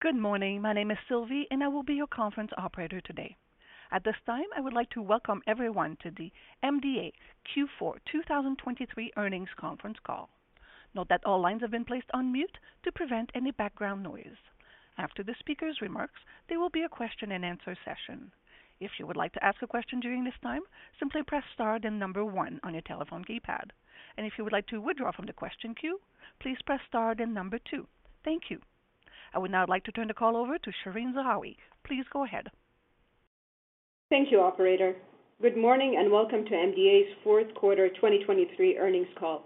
Good morning, my name is Sylvie and I will be your conference operator today. At this time I would like to welcome everyone to the MDA Q4 2023 earnings conference call. Note that all lines have been placed on mute to prevent any background noise. After the speaker's remarks, there will be a question-and-answer session. If you would like to ask a question during this time, simply press star then number one on your telephone keypad, and if you would like to withdraw from the question queue, please press star then number two. Thank you. I would now like to turn the call over to Shereen Zahawi. Please go ahead Thank you, operator. Good morning and welcome to MDA's fourth quarter 2023 earnings call.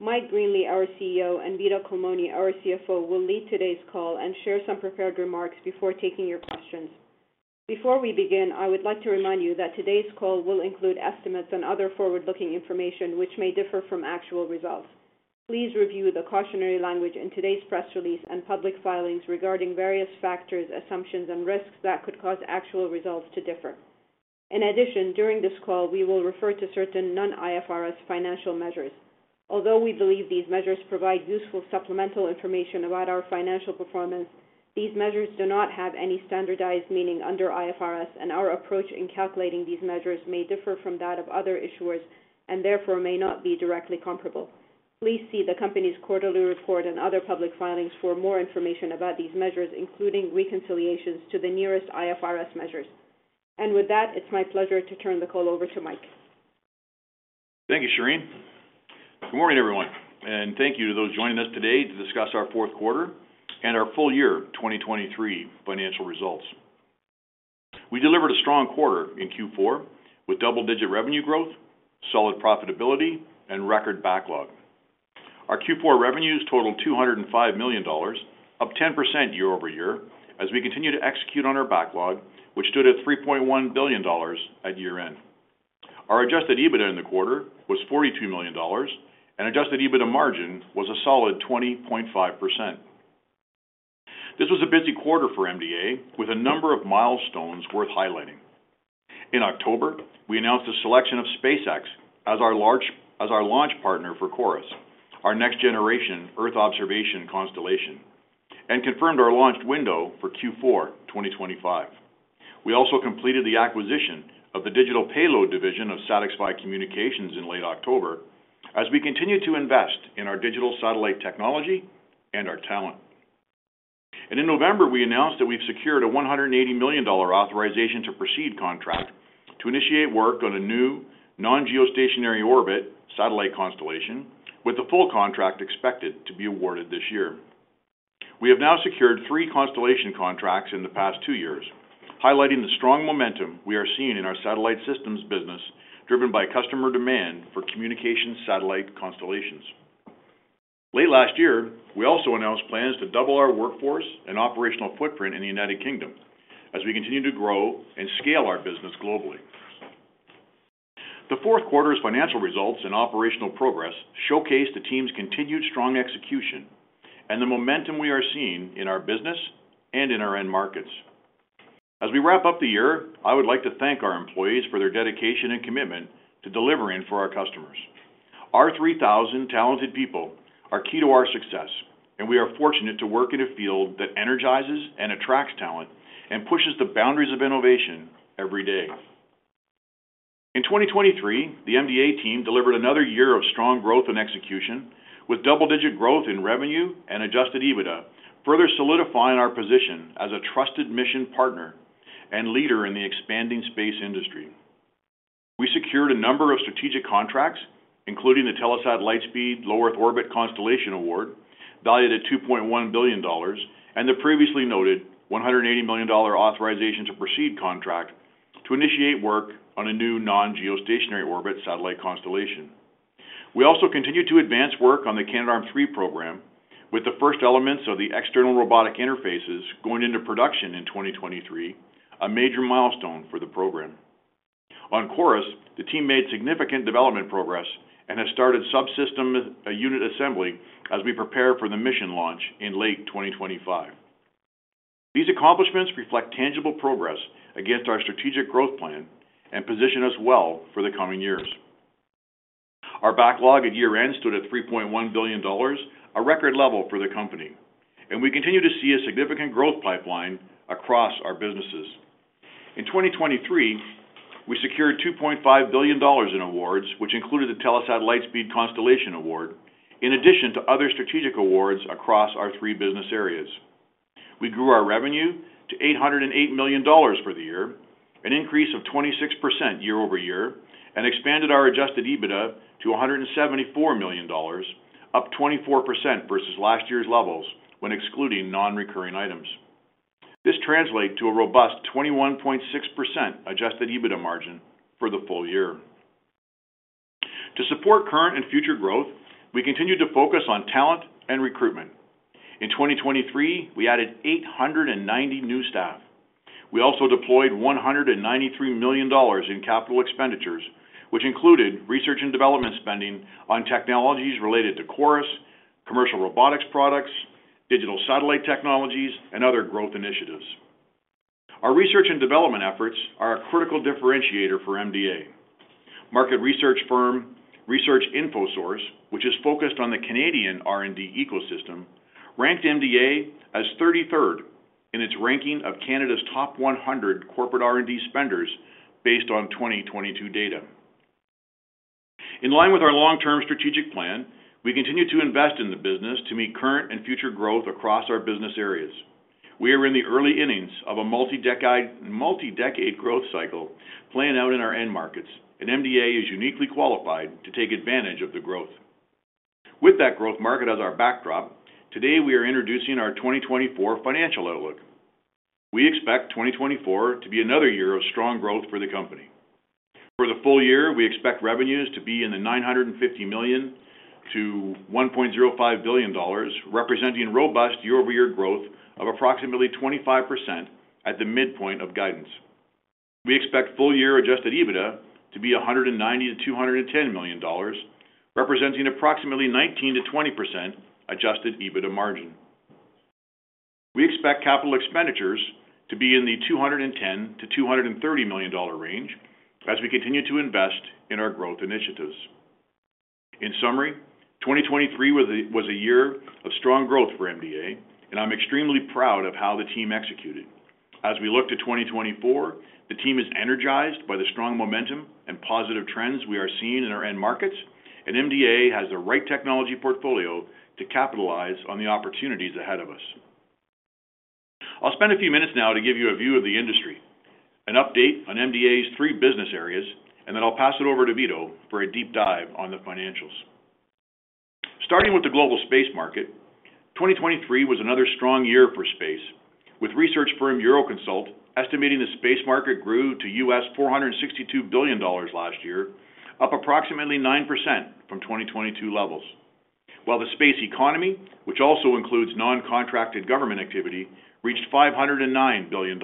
Mike Greenley, our CEO, and Vito Culmone, our CFO, will lead today's call and share some prepared remarks before taking your questions. Before we begin, I would like to remind you that today's call will include estimates and other forward-looking information which may differ from actual results. Please review the cautionary language in today's press release and public filings regarding various factors, assumptions, and risks that could cause actual results to differ. In addition, during this call we will refer to certain non-IFRS financial measures. Although we believe these measures provide useful supplemental information about our financial performance, these measures do not have any standardized meaning under IFRS, and our approach in calculating these measures may differ from that of other issuers and therefore may not be directly comparable Please see the company's quarterly report and other public filings for more information about these measures, including reconciliations to the nearest IFRS measures. With that, it's my pleasure to turn the call over to Mike. Thank you, Shereen. Good morning, everyone, and thank you to those joining us today to discuss our fourth quarter and our full year 2023 financial results. We delivered a strong quarter in Q4 with double-digit revenue growth, solid profitability, and record backlog. Our Q4 revenues totaled 205 million dollars, up 10% year-over-year as we continue to execute on our backlog which stood at 3.1 billion dollars at year-end. Our adjusted EBITDA in the quarter was 42 million dollars, and adjusted EBITDA margin was a solid 20.5%. This was a busy quarter for MDA with a number of milestones worth highlighting. In October, we announced a selection of SpaceX as our launch partner for CHORUS, our next-generation Earth observation constellation, and confirmed our launch window for Q4 2025. We also completed the acquisition of the digital payload division of SatixFy Communications in late October as we continue to invest in our digital satellite technology and our talent. In November we announced that we've secured a $180 million Authorization to Proceed contract to initiate work on a new non-geostationary orbit satellite constellation, with the full contract expected to be awarded this year. We have now secured three constellation contracts in the past two years, highlighting the strong momentum we are seeing in our satellite systems business driven by customer demand for communications satellite constellations. Late last year we also announced plans to double our workforce and operational footprint in the United Kingdom as we continue to grow and scale our business globally. The fourth quarter's financial results and operational progress showcase the team's continued strong execution and the momentum we are seeing in our business and in our end markets. As we wrap up the year, I would like to thank our employees for their dedication and commitment to delivering for our customers. Our 3,000 talented people are key to our success, and we are fortunate to work in a field that energizes and attracts talent and pushes the boundaries of innovation every day. In 2023, the MDA team delivered another year of strong growth and execution with double-digit growth in revenue and Adjusted EBITDA, further solidifying our position as a trusted mission partner and leader in the expanding space industry. We secured a number of strategic contracts, including the Telesat Lightspeed Low Earth Orbit Constellation award valued at $2.1 billion and the previously noted $180 million authorization to proceed contract to initiate work on a new non-geostationary orbit satellite constellation. We also continue to advance work on the Canadarm3 program, with the first elements of the external robotic interfaces going into production in 2023, a major milestone for the program. On CHORUS, the team made significant development progress and has started subsystem unit assembly as we prepare for the mission launch in late 2025. These accomplishments reflect tangible progress against our strategic growth plan and position us well for the coming years. Our backlog at year-end stood at $3.1 billion, a record level for the company, and we continue to see a significant growth pipeline across our businesses. In 2023, we secured 2.5 billion dollars in awards which included the Telesat Lightspeed constellation award, in addition to other strategic awards across our three business areas. We grew our revenue to 808 million dollars for the year, an increase of 26% year-over-year, and expanded our adjusted EBITDA to 174 million dollars, up 24% versus last year's levels when excluding non-recurring items. This translates to a robust 21.6% adjusted EBITDA margin for the full year. To support current and future growth, we continue to focus on talent and recruitment. In 2023, we added 890 new staff. We also deployed 193 million dollars in capital expenditures, which included research and development spending on technologies related to CHORUS, commercial robotics products, digital satellite technologies, and other growth initiatives. Our research and development efforts are a critical differentiator for MDA. Market research firm Research Infosource, which is focused on the Canadian R&D ecosystem, ranked MDA as 33rd in its ranking of Canada's top 100 corporate R&D spenders based on 2022 data. In line with our long-term strategic plan, we continue to invest in the business to meet current and future growth across our business areas. We are in the early innings of a multi-decade growth cycle playing out in our end markets, and MDA is uniquely qualified to take advantage of the growth. With that growth market as our backdrop, today we are introducing our 2024 financial outlook. We expect 2024 to be another year of strong growth for the company. For the full year, we expect revenues to be in the 950 million-1.05 billion dollars, representing robust year-over-year growth of approximately 25% at the midpoint of guidance. We expect full-year Adjusted EBITDA to be 190 million-210 million dollars, representing approximately 19%-20% Adjusted EBITDA margin. We expect capital expenditures to be in the 210 million-230 million dollar range as we continue to invest in our growth initiatives. In summary, 2023 was a year of strong growth for MDA, and I'm extremely proud of how the team executed. As we look to 2024, the team is energized by the strong momentum and positive trends we are seeing in our end markets, and MDA has the right technology portfolio to capitalize on the opportunities ahead of us. I'll spend a few minutes now to give you a view of the industry, an update on MDA's three business areas, and then I'll pass it over to Vito for a deep dive on the financials. Starting with the global space market, 2023 was another strong year for space, with research firm Euroconsult estimating the space market grew to $462 billion last year, up approximately 9% from 2022 levels, while the space economy, which also includes non-contracted government activity, reached $509 billion.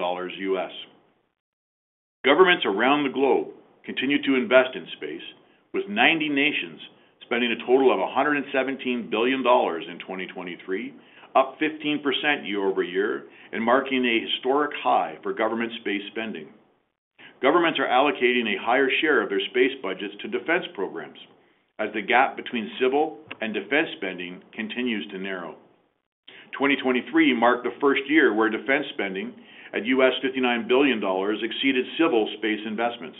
Governments around the globe continue to invest in space, with 90 nations spending a total of $117 billion in 2023, up 15% year-over-year and marking a historic high for government space spending. Governments are allocating a higher share of their space budgets to defense programs as the gap between civil and defense spending continues to narrow. 2023 marked the first year where defense spending at $59 billion exceeded civil space investments.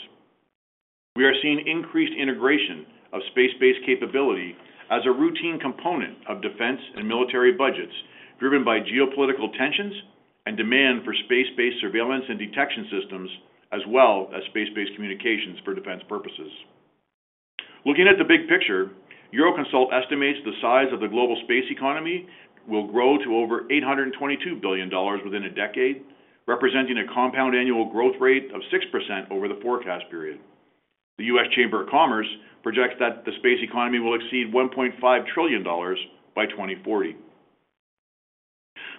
We are seeing increased integration of space-based capability as a routine component of defense and military budgets driven by geopolitical tensions and demand for space-based surveillance and detection systems, as well as space-based communications for defense purposes. Looking at the big picture, Euroconsult estimates the size of the global space economy will grow to over $822 billion within a decade, representing a compound annual growth rate of 6% over the forecast period. The U.S. Chamber of Commerce projects that the space economy will exceed $1.5 trillion by 2040.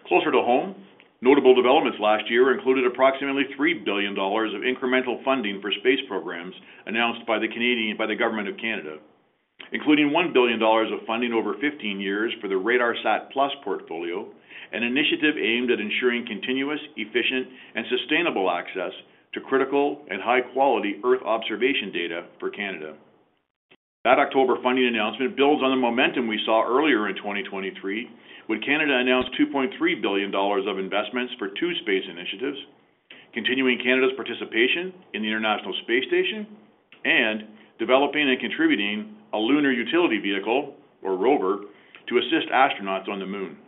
Closer to home, notable developments last year included approximately 3 billion dollars of incremental funding for space programs announced by the Government of Canada, including 1 billion dollars of funding over 15 years for the RADARSAT+ portfolio, an initiative aimed at ensuring continuous, efficient, and sustainable access to critical and high-quality Earth observation data for Canada. That October funding announcement builds on the momentum we saw earlier in 2023, with Canada announced 2.3 billion dollars of investments for two space initiatives: continuing Canada's participation in the International Space Station and developing and contributing a lunar utility vehicle, or rover, to assist astronauts on the Moon.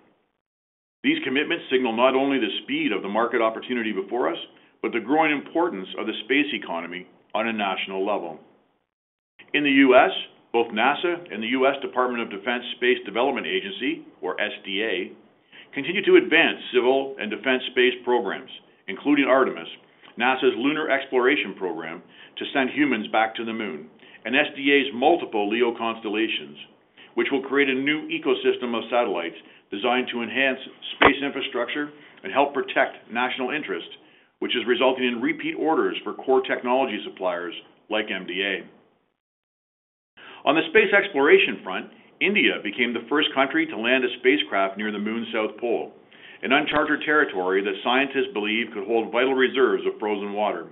These commitments signal not only the speed of the market opportunity before us but the growing importance of the space economy on a national level. In the U.S., both NASA and the Space Development Agency, or SDA, continue to advance civil and defense space programs, including Artemis, NASA's lunar exploration program to send humans back to the Moon, and SDA's multiple LEO constellations, which will create a new ecosystem of satellites designed to enhance space infrastructure and help protect national interest, which is resulting in repeat orders for core technology suppliers like MDA. On the space exploration front, India became the first country to land a spacecraft near the Moon's South Pole, an uncharted territory that scientists believe could hold vital reserves of frozen water.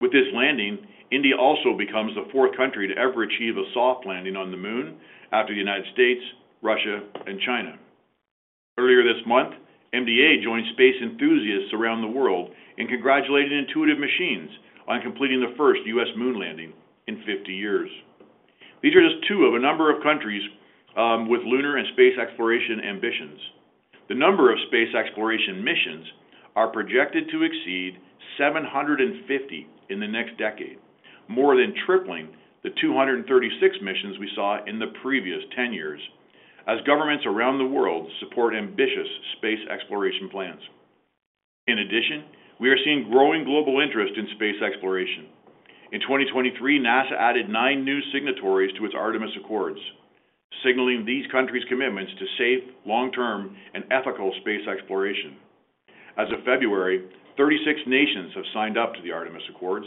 With this landing, India also becomes the fourth country to ever achieve a soft landing on the Moon after the United States, Russia, and China. Earlier this month, MDA joined space enthusiasts around the world in congratulating Intuitive Machines on completing the first U.S. Moon landing in 50 years. These are just two of a number of countries with lunar and space exploration ambitions. The number of space exploration missions are projected to exceed 750 in the next decade, more than tripling the 236 missions we saw in the previous 10 years as governments around the world support ambitious space exploration plans. In addition, we are seeing growing global interest in space exploration. In 2023, NASA added 9 new signatories to its Artemis Accords, signaling these countries' commitments to safe, long-term, and ethical space exploration. As of February, 36 nations have signed up to the Artemis Accords.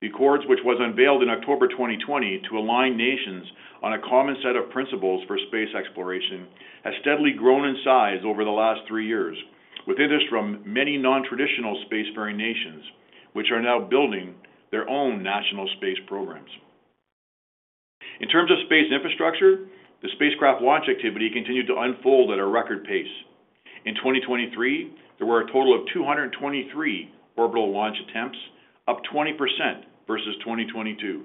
The accords, which was unveiled in October 2020 to align nations on a common set of principles for space exploration, have steadily grown in size over the last 3 years, with interest from many non-traditional spacefaring nations which are now building their own national space programs. In terms of space infrastructure, the spacecraft launch activity continued to unfold at a record pace. In 2023, there were a total of 223 orbital launch attempts, up 20% versus 2022.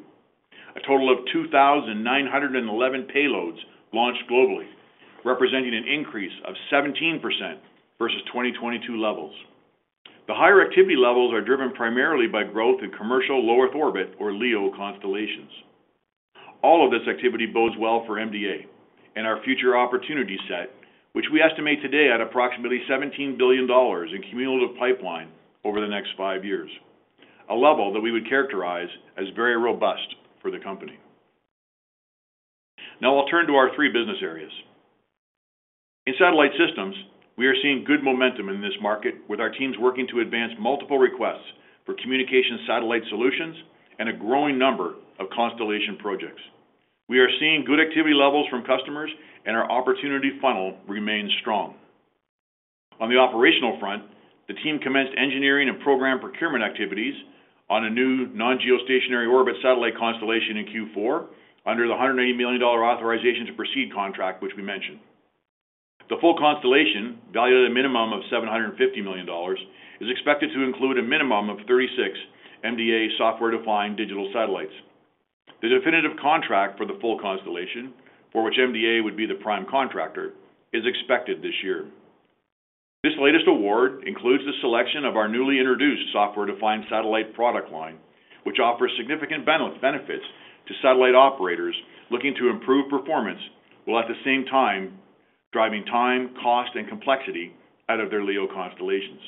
A total of 2,911 payloads launched globally, representing an increase of 17% versus 2022 levels. The higher activity levels are driven primarily by growth in commercial Low Earth Orbit, or LEO, constellations. All of this activity bodes well for MDA and our future opportunity set, which we estimate today at approximately 17 billion dollars in cumulative pipeline over the next 5 years, a level that we would characterize as very robust for the company. Now I'll turn to our three business areas. In satellite systems, we are seeing good momentum in this market, with our teams working to advance multiple requests for communications satellite solutions and a growing number of constellation projects. We are seeing good activity levels from customers, and our opportunity funnel remains strong. On the operational front, the team commenced engineering and program procurement activities on a new non-geostationary orbit satellite constellation in Q4 under the 180 million dollar Authorization to Proceed contract which we mentioned. The full constellation, valued at a minimum of 750 million dollars, is expected to include a minimum of 36 MDA software-defined digital satellites. The definitive contract for the full constellation, for which MDA would be the prime contractor, is expected this year. This latest award includes the selection of our newly introduced software-defined satellite product line, which offers significant benefits to satellite operators looking to improve performance while at the same time driving time, cost, and complexity out of their LEO constellations.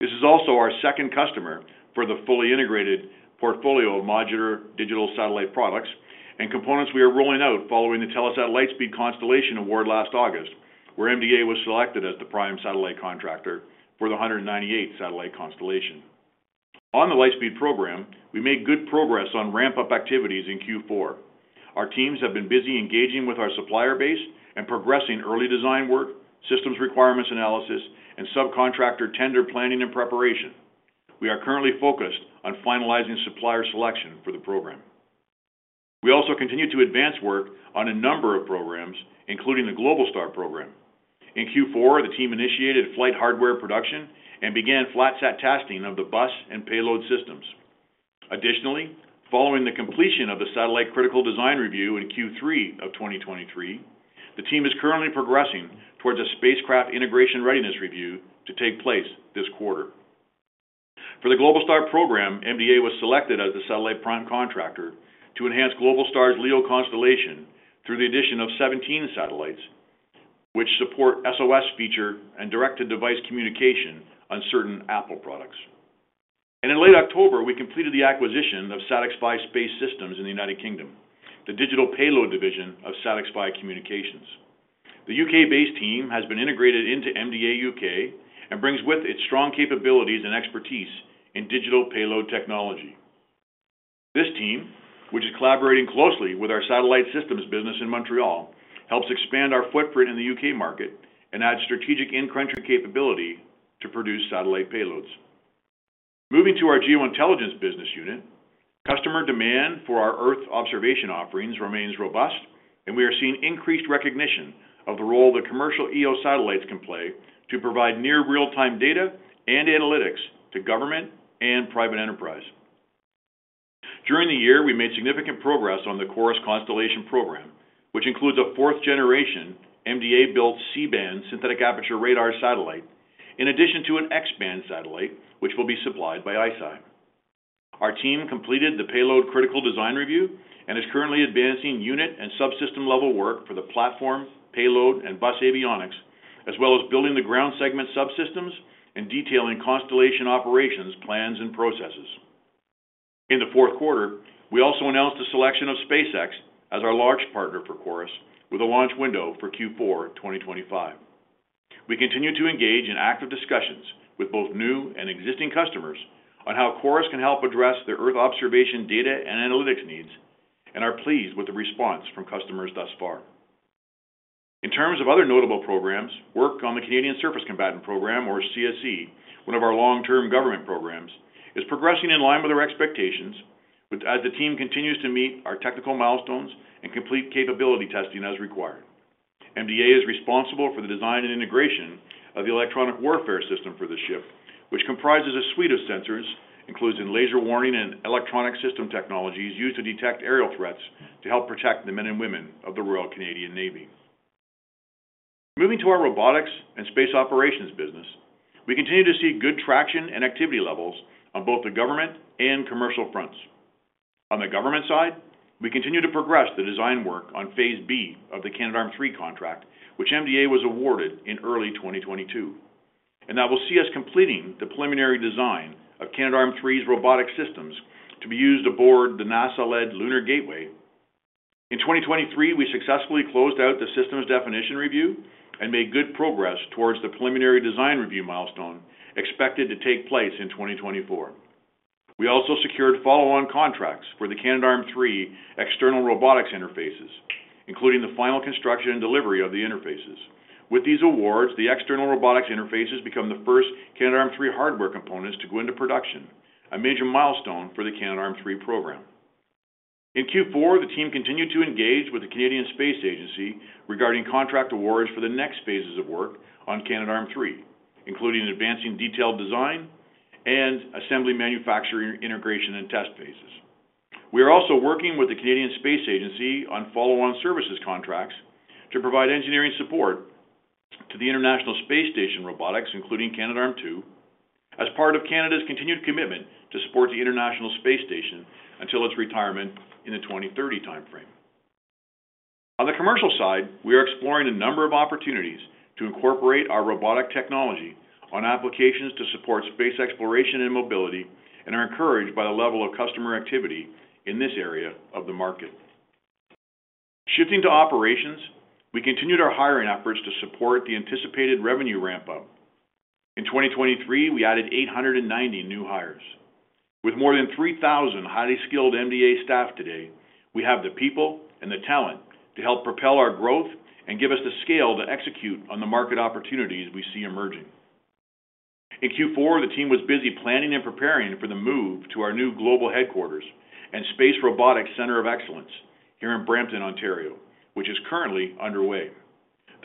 This is also our second customer for the fully integrated portfolio of modular digital satellite products and components we are rolling out following the Telesat Lightspeed constellation award last August, where MDA was selected as the prime satellite contractor for the 198-satellite constellation. On the Lightspeed program, we made good progress on ramp-up activities in Q4. Our teams have been busy engaging with our supplier base and progressing early design work, systems requirements analysis, and subcontractor tender planning and preparation. We are currently focused on finalizing supplier selection for the program. We also continue to advance work on a number of programs, including the Globalstar program. In Q4, the team initiated flight hardware production and began flatsat testing of the bus and payload systems. Additionally, following the completion of the satellite critical design review in Q3 of 2023, the team is currently progressing towards a spacecraft integration readiness review to take place this quarter. For the Globalstar program, MDA was selected as the satellite prime contractor to enhance Globalstar's LEO constellation through the addition of 17 satellites which support SOS feature and direct-to-device communication on certain Apple products. In late October, we completed the acquisition of SatixFy Space Systems in the United Kingdom, the digital payload division of SatixFy Communications. The U.K.-based team has been integrated into MDA U.K. and brings with it strong capabilities and expertise in digital payload technology. This team, which is collaborating closely with our satellite systems business in Montreal, helps expand our footprint in the U.K. market and add strategic in-country capability to produce satellite payloads. Moving to our geointelligence business unit, customer demand for our Earth observation offerings remains robust, and we are seeing increased recognition of the role that commercial EO satellites can play to provide near-real-time data and analytics to government and private enterprise. During the year, we made significant progress on the CHORUS constellation program, which includes a fourth-generation MDA-built C-band synthetic aperture radar satellite in addition to an X-band satellite which will be supplied by ICEYE. Our team completed the payload critical design review and is currently advancing unit and subsystem-level work for the platform, payload, and bus avionics, as well as building the ground segment subsystems and detailing constellation operations plans and processes. In the fourth quarter, we also announced a selection of SpaceX as our launch partner for CHORUS, with a launch window for Q4 2025. We continue to engage in active discussions with both new and existing customers on how CHORUS can help address their Earth observation data and analytics needs, and are pleased with the response from customers thus far. In terms of other notable programs, work on the Canadian Surface Combatant Program, or CSC, one of our long-term government programs, is progressing in line with our expectations as the team continues to meet our technical milestones and complete capability testing as required. MDA is responsible for the design and integration of the electronic warfare system for the ship, which comprises a suite of sensors including laser warning and electronic system technologies used to detect aerial threats to help protect the men and women of the Royal Canadian Navy. Moving to our robotics and space operations business, we continue to see good traction and activity levels on both the government and commercial fronts. On the government side, we continue to progress the design work on Phase B of the Canadarm3 contract, which MDA was awarded in early 2022, and that will see us completing the preliminary design of Canadarm3's robotic systems to be used aboard the NASA-led Lunar Gateway. In 2023, we successfully closed out the System Definition Review and made good progress towards the Preliminary Design Review milestone expected to take place in 2024. We also secured follow-on contracts for the Canadarm3 external robotics interfaces, including the final construction and delivery of the interfaces. With these awards, the external robotics interfaces become the first Canadarm3 hardware components to go into production, a major milestone for the Canadarm3 program. In Q4, the team continued to engage with the Canadian Space Agency regarding contract awards for the next phases of work on Canadarm3, including advancing detailed design and assembly manufacturing integration and test phases. We are also working with the Canadian Space Agency on follow-on services contracts to provide engineering support to the International Space Station robotics, including Canadarm2, as part of Canada's continued commitment to support the International Space Station until its retirement in the 2030 time frame. On the commercial side, we are exploring a number of opportunities to incorporate our robotic technology on applications to support space exploration and mobility and are encouraged by the level of customer activity in this area of the market. Shifting to operations, we continued our hiring efforts to support the anticipated revenue ramp-up. In 2023, we added 890 new hires. With more than 3,000 highly skilled MDA staff today, we have the people and the talent to help propel our growth and give us the scale to execute on the market opportunities we see emerging. In Q4, the team was busy planning and preparing for the move to our new global headquarters and Space Robotics Center of Excellence here in Brampton, Ontario, which is currently underway.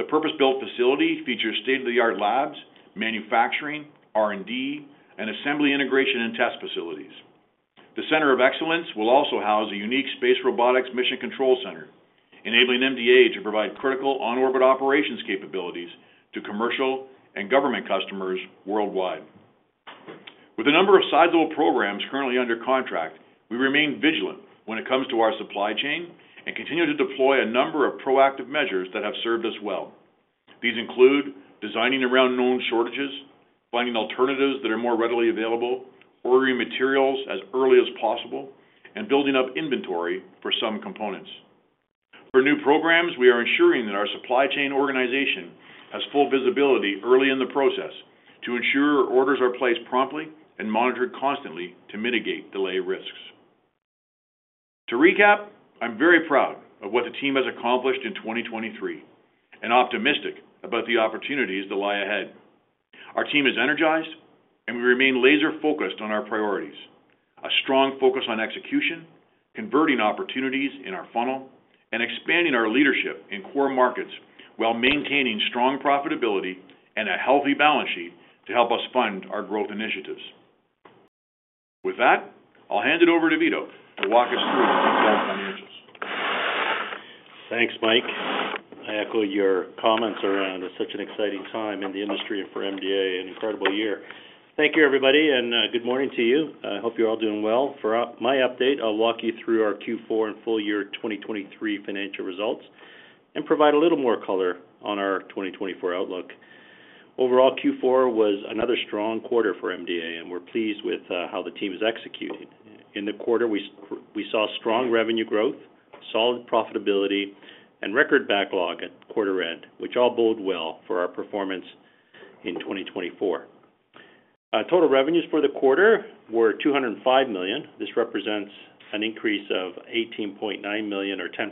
The purpose-built facility features state-of-the-art labs, manufacturing, R&D, and assembly integration and test facilities. The Center of Excellence will also house a unique space robotics mission control center, enabling MDA to provide critical on-orbit operations capabilities to commercial and government customers worldwide. With a number of sizable programs currently under contract, we remain vigilant when it comes to our supply chain and continue to deploy a number of proactive measures that have served us well. These include designing around known shortages, finding alternatives that are more readily available, ordering materials as early as possible, and building up inventory for some components. For new programs, we are ensuring that our supply chain organization has full visibility early in the process to ensure orders are placed promptly and monitored constantly to mitigate delay risks. To recap, I'm very proud of what the team has accomplished in 2023 and optimistic about the opportunities that lie ahead. Our team is energized, and we remain laser-focused on our priorities: a strong focus on execution, converting opportunities in our funnel, and expanding our leadership in core markets while maintaining strong profitability and a healthy balance sheet to help us fund our growth initiatives. With that, I'll hand it over to Vito to walk us through the detailed financials. Thanks, Mike. I echo your comments around such an exciting time in the industry and for MDA, an incredible year. Thank you, everybody, and good morning to you. I hope you're all doing well. For my update, I'll walk you through our Q4 and full year 2023 financial results and provide a little more color on our 2024 outlook. Overall, Q4 was another strong quarter for MDA, and we're pleased with how the team is executing. In the quarter, we saw strong revenue growth, solid profitability, and record backlog at quarter end, which all bode well for our performance in 2024. Total revenues for the quarter were 205 million. This represents an increase of 18.9 million, or 10%,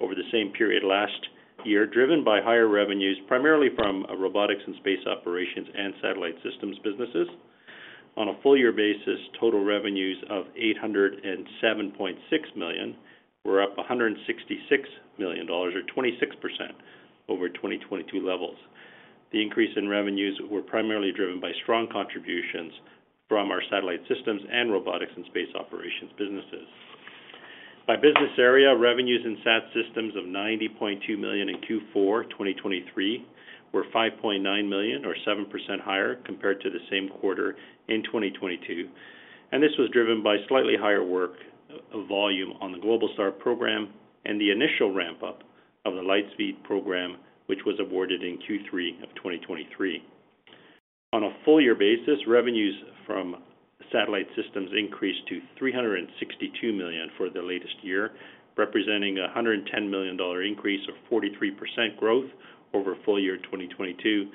over the same period last year, driven by higher revenues primarily from robotics and space operations and satellite systems businesses. On a full year basis, total revenues of 807.6 million were up 166 million dollars, or 26%, over 2022 levels. The increase in revenues was primarily driven by strong contributions from our satellite systems and robotics and space operations businesses. By business area, revenues in SAT systems of 90.2 million in Q4 2023 were 5.9 million, or 7% higher, compared to the same quarter in 2022, and this was driven by slightly higher work volume on the Globalstar program and the initial ramp-up of the Lightspeed program, which was awarded in Q3 of 2023. On a full year basis, revenues from satellite systems increased to 362 million for the latest year, representing a 110 million dollar increase, or 43% growth, over full year 2022,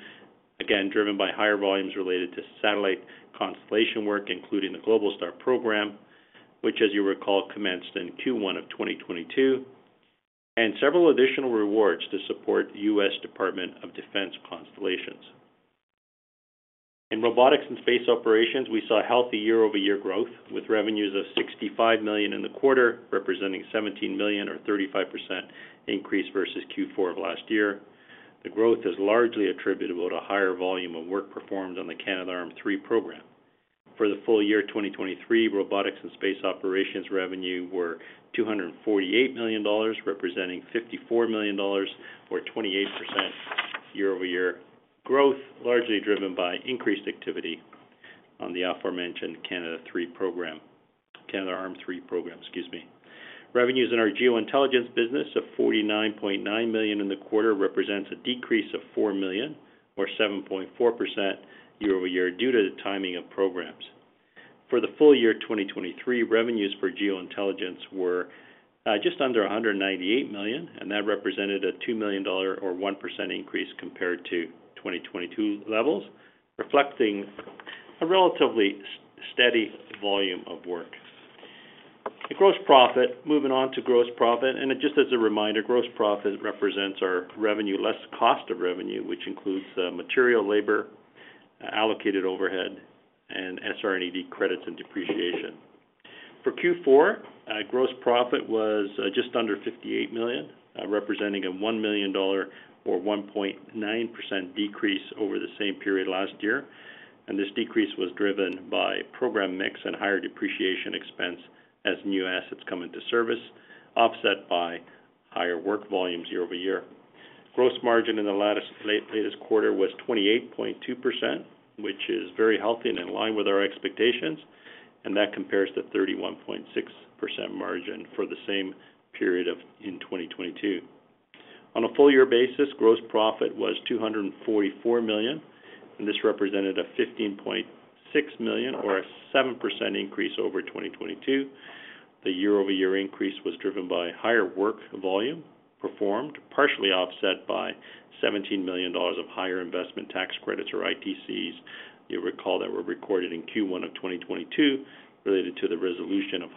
again driven by higher volumes related to satellite constellation work, including the Globalstar program, which, as you recall, commenced in Q1 of 2022, and several additional awards to support U.S. Department of Defense constellations. In robotics and space operations, we saw healthy year-over-year growth with revenues of 65 million in the quarter, representing 17 million, or 35% increase versus Q4 of last year. The growth is largely attributable to higher volume of work performed on the Canadarm3 program. For the full year 2023, robotics and space operations revenue was 248 million dollars, representing 54 million dollars, or 28% year-over-year growth, largely driven by increased activity on the aforementioned Canadarm3 program. Revenues in our geointelligence business of 49.9 million in the quarter represents a decrease of 4 million, or 7.4% year-over-year, due to the timing of programs. For the full year 2023, revenues for geointelligence were just under 198 million, and that represented a 2 million dollar, or 1%, increase compared to 2022 levels, reflecting a relatively steady volume of work. Moving on to gross profit, and just as a reminder, gross profit represents our revenue-less cost of revenue, which includes material, labor, allocated overhead, and SR&ED credits and depreciation. For Q4, gross profit was just under 58 million, representing a 1 million dollar, or 1.9%, decrease over the same period last year, and this decrease was driven by program mix and higher depreciation expense as new assets come into service, offset by higher work volumes year-over-year. Gross margin in the latest quarter was 28.2%, which is very healthy and in line with our expectations, and that compares to 31.6% margin for the same period in 2022. On a full year basis, gross profit was 244 million, and this represented a 15.6 million, or a 7%, increase over 2022. The year-over-year increase was driven by higher work volume performed, partially offset by 17 million dollars of higher investment tax credits, or ITCs, you recall, that were recorded in Q1 of 2022 related to the resolution of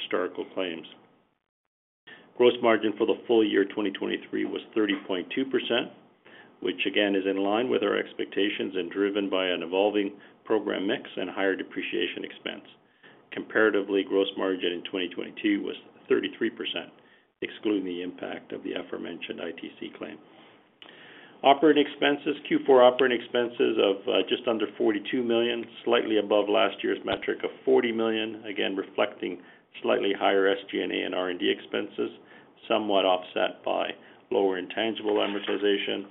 historical claims. Gross margin for the full year 2023 was 30.2%, which again is in line with our expectations and driven by an evolving program mix and higher depreciation expense. Comparatively, gross margin in 2022 was 33%, excluding the impact of the aforementioned ITC claim. Q4 operating expenses were just under 42 million, slightly above last year's metric of 40 million, again reflecting slightly higher SG&A and R&D expenses, somewhat offset by lower intangible amortization.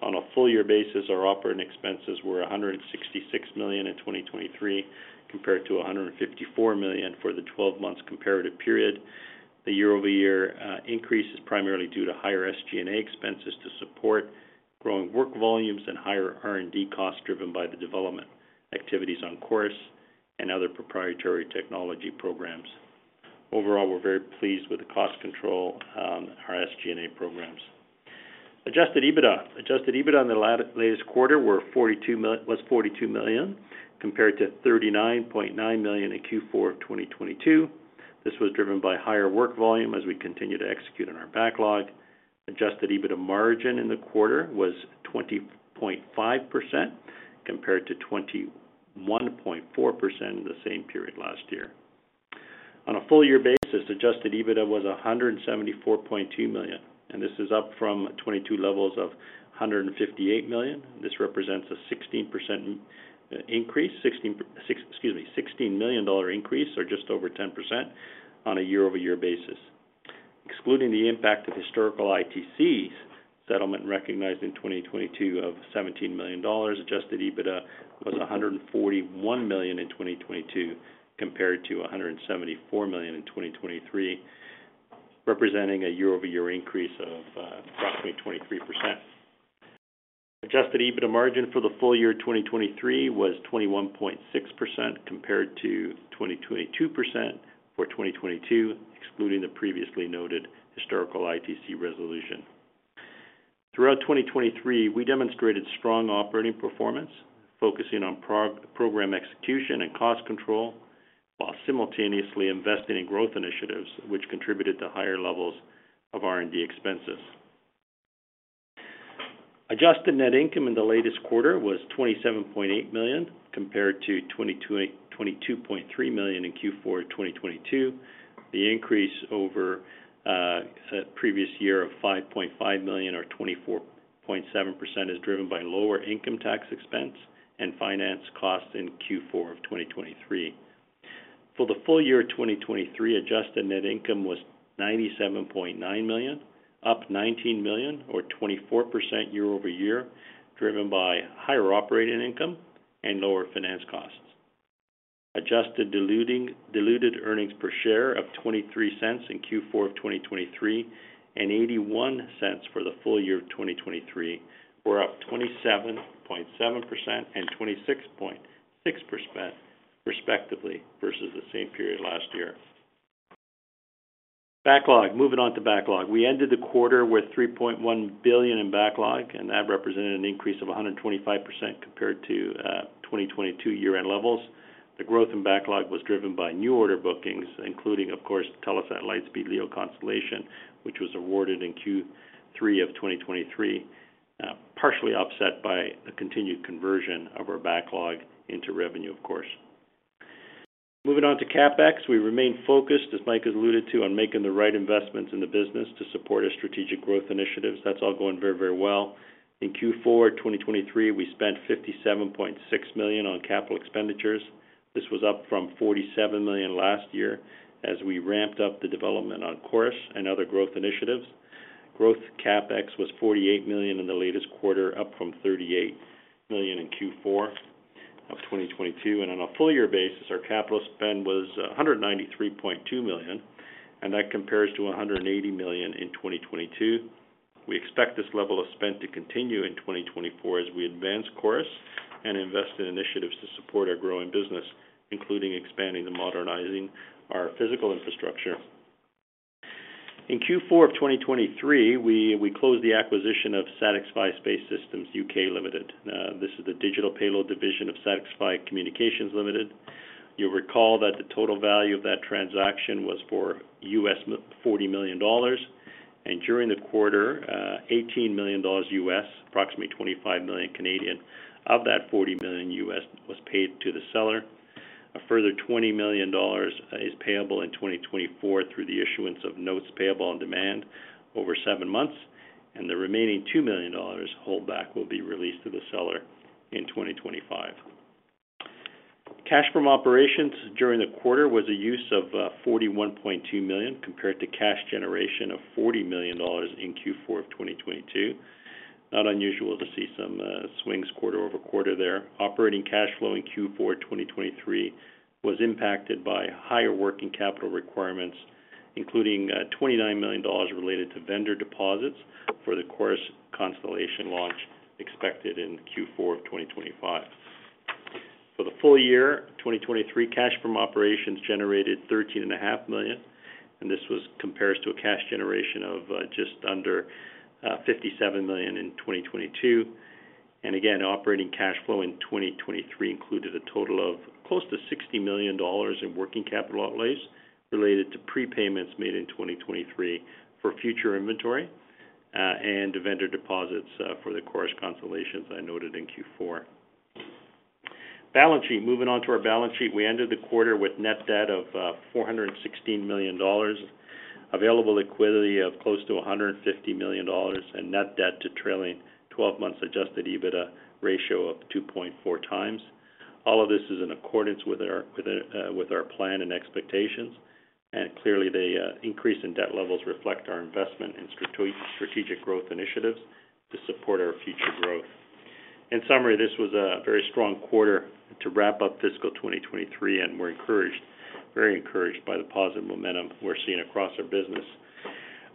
On a full year basis, our operating expenses were 166 million in 2023 compared to 154 million for the 12-month comparative period. The year-over-year increase is primarily due to higher SG&A expenses to support growing work volumes and higher R&D costs driven by the development activities on CHORUS and other proprietary technology programs. Overall, we're very pleased with the cost control on our SG&A programs. Adjusted EBITDA on the latest quarter was 42 million compared to 39.9 million in Q4 of 2022. This was driven by higher work volume as we continue to execute on our backlog. Adjusted EBITDA margin in the quarter was 20.5% compared to 21.4% in the same period last year. On a full year basis, adjusted EBITDA was 174.2 million, and this is up from 2022 levels of 158 million. This represents a 16 million dollar increase, or just over 10%, on a year-over-year basis. Excluding the impact of historical ITCs settlement recognized in 2022 of 17 million dollars, adjusted EBITDA was 141 million in 2022 compared to 174 million in 2023, representing a year-over-year increase of approximately 23%. Adjusted EBITDA margin for the full year 2023 was 21.6% compared to 20.2% for 2022, excluding the previously noted historical ITC resolution. Throughout 2023, we demonstrated strong operating performance, focusing on program execution and cost control while simultaneously investing in growth initiatives, which contributed to higher levels of R&D expenses. Adjusted net income in the latest quarter was 27.8 million compared to 22.3 million in Q4 of 2022. The increase over the previous year of 5.5 million, or 24.7%, is driven by lower income tax expense and finance costs in Q4 of 2023. For the full year 2023, adjusted net income was 97.9 million, up 19 million, or 24% year-over-year, driven by higher operating income and lower finance costs. Adjusted diluted earnings per share of 0.23 in Q4 of 2023 and 0.81 for the full year of 2023 were up 27.7% and 26.6%, respectively, versus the same period last year. Moving on to backlog. We ended the quarter with 3.1 billion in backlog, and that represented an increase of 125% compared to 2022 year-end levels. The growth in backlog was driven by new order bookings, including, of course, Telesat Lightspeed LEO constellation, which was awarded in Q3 of 2023, partially offset by the continued conversion of our backlog into revenue, of course. Moving on to CapEx, we remain focused, as Mike has alluded to, on making the right investments in the business to support our strategic growth initiatives. That's all going very, very well. In Q4 of 2023, we spent 57.6 million on capital expenditures. This was up from 47 million last year as we ramped up the development on CHORUS and other growth initiatives. Growth CapEx was 48 million in the latest quarter, up from 38 million in Q4 of 2022. On a full year basis, our capital spend was 193.2 million, and that compares to 180 million in 2022. We expect this level of spend to continue in 2024 as we advance CHORUS and invest in initiatives to support our growing business, including expanding and modernizing our physical infrastructure. In Q4 of 2023, we closed the acquisition of SatixFy Space Systems UK Ltd. This is the digital payload division of SatixFy Communications Ltd. You'll recall that the total value of that transaction was for $40 million, and during the quarter, $18 million, approximately 25 million Canadian dollars. Of that $40 million was paid to the seller. A further $20 million is payable in 2024 through the issuance of notes payable on demand over seven months, and the remaining $2 million holdback will be released to the seller in 2025. Cash from operations during the quarter was a use of 41.2 million compared to cash generation of 40 million dollars in Q4 of 2022. Not unusual to see some swings quarter-over-quarter there. Operating cash flow in Q4 of 2023 was impacted by higher working capital requirements, including 29 million dollars related to vendor deposits for the CHORUS constellation launch expected in Q4 of 2025. For the full year 2023, cash from operations generated 13.5 million, and this compares to a cash generation of just under 57 million in 2022. And again, operating cash flow in 2023 included a total of close to 60 million dollars in working capital outlays related to prepayments made in 2023 for future inventory and vendor deposits for the CHORUS constellations I noted in Q4. Moving on to our balance sheet, we ended the quarter with net debt of 416 million dollars, available liquidity of close to 150 million dollars, and net debt to trailing 12-months Adjusted EBITDA ratio of 2.4x. All of this is in accordance with our plan and expectations, and clearly, the increase in debt levels reflects our investment in strategic growth initiatives to support our future growth. In summary, this was a very strong quarter to wrap up fiscal 2023, and we're very encouraged by the positive momentum we're seeing across our business.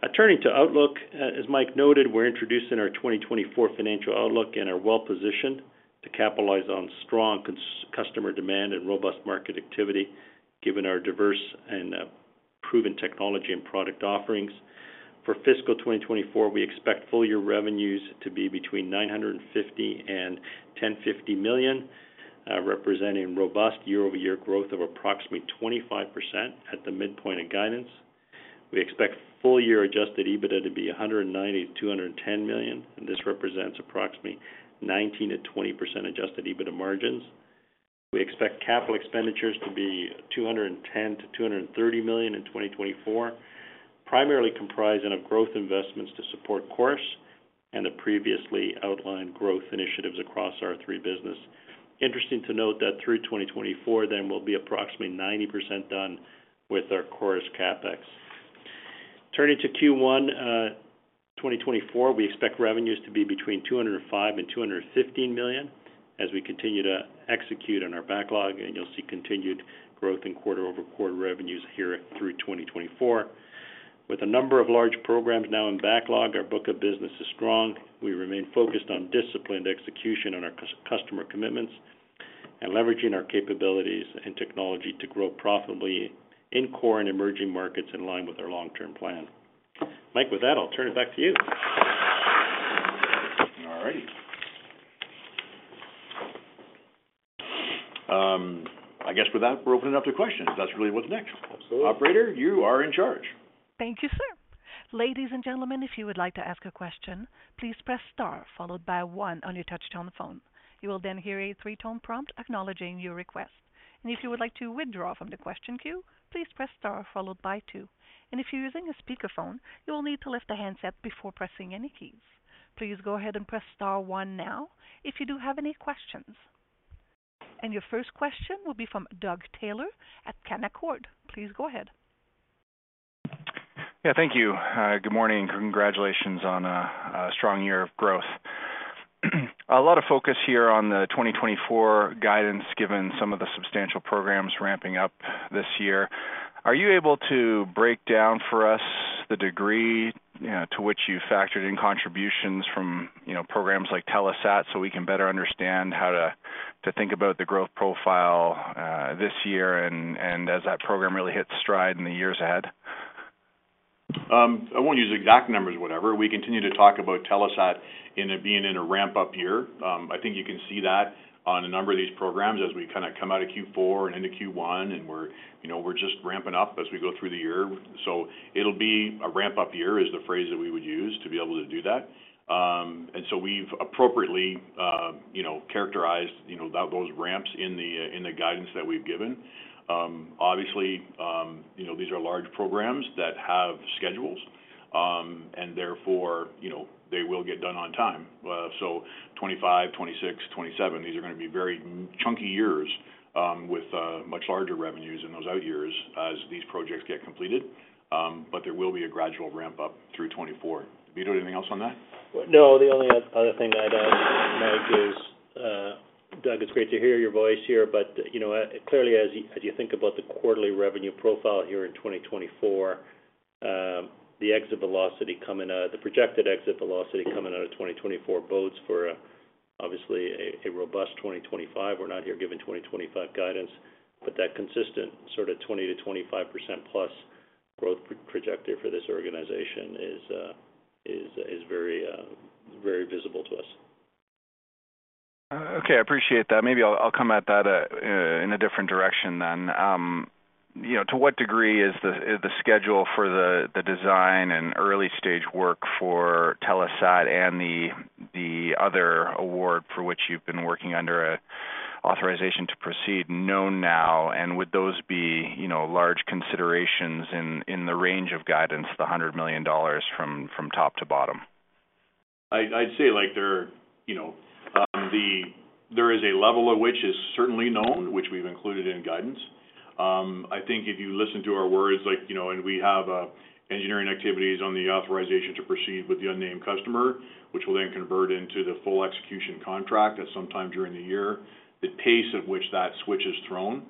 As Mike noted, we're introducing our 2024 financial outlook and are well positioned to capitalize on strong customer demand and robust market activity given our diverse and proven technology and product offerings. For fiscal 2024, we expect full year revenues to be between 950 million and 1,050 million, representing robust year-over-year growth of approximately 25% at the midpoint of guidance. We expect full year Adjusted EBITDA to be 190 million-210 million, and this represents approximately 19%-20% Adjusted EBITDA margins. We expect capital expenditures to be 210 million-230 million in 2024, primarily comprising of growth investments to support CHORUS and the previously outlined growth initiatives across our three businesses. Interesting to note that through 2024, there will be approximately 90% done with our CHORUS CapEx. Turning to Q1 of 2024, we expect revenues to be between 205 million and 215 million as we continue to execute on our backlog, and you'll see continued growth in quarter-over-quarter revenues here through 2024. With a number of large programs now in backlog, our book of business is strong. We remain focused on disciplined execution on our customer commitments and leveraging our capabilities and technology to grow profitably in core and emerging markets in line with our long-term plan. Mike, with that, I'll turn it back to you. All righty. I guess with that, we're opening up to questions. That's really what's next. Operator, you are in charge. Thank you, sir. Ladies and gentlemen, if you would like to ask a question, please press star followed by one on your touch-tone phone. You will then hear a three-tone prompt acknowledging your request. And if you would like to withdraw from the question queue, please press star followed by two. And if you're using a speakerphone, you will need to lift the handset before pressing any keys. Please go ahead and press star one now if you do have any questions. Your first question will be from Doug Taylor at Canaccord Genuity. Please go ahead. Yeah, thank you. Good morning and congratulations on a strong year of growth. A lot of focus here on the 2024 guidance given some of the substantial programs ramping up this year. Are you able to break down for us the degree to which you factored in contributions from programs like Telesat so we can better understand how to think about the growth profile this year and as that program really hits stride in the years ahead? I won't use exact numbers, whatever. We continue to talk about Telesat being in a ramp-up year. I think you can see that on a number of these programs as we kind of come out of Q4 and into Q1, and we're just ramping up as we go through the year. So it'll be a ramp-up year is the phrase that we would use to be able to do that. And so we've appropriately characterized those ramps in the guidance that we've given. Obviously, these are large programs that have schedules, and therefore, they will get done on time. So 2025, 2026, 2027, these are going to be very chunky years with much larger revenues in those out years as these projects get completed, but there will be a gradual ramp-up through 2024. Vito, anything else on that? No, the only other thing I'd add, Mike, is Doug, it's great to hear your voice here, but clearly, as you think about the quarterly revenue profile here in 2024, the exit velocity coming out the projected exit velocity coming out of 2024 bodes for, obviously, a robust 2025. We're not here given 2025 guidance, but that consistent sort of 20%-25%+ growth projector for this organization is very visible to us. Okay, I appreciate that. Maybe I'll come at that in a different direction then. To what degree is the schedule for the design and early-stage work for Telesat and the other award for which you've been working under Authorization to Proceed known now? And would those be large considerations in the range of guidance, the 100 million dollars from top to bottom? I'd say there is a level of which is certainly known, which we've included in guidance. I think if you listen to our words, and we have engineering activities on the Authorization to Proceed with the unnamed customer, which will then convert into the full execution contract at some time during the year, the pace at which that switch is thrown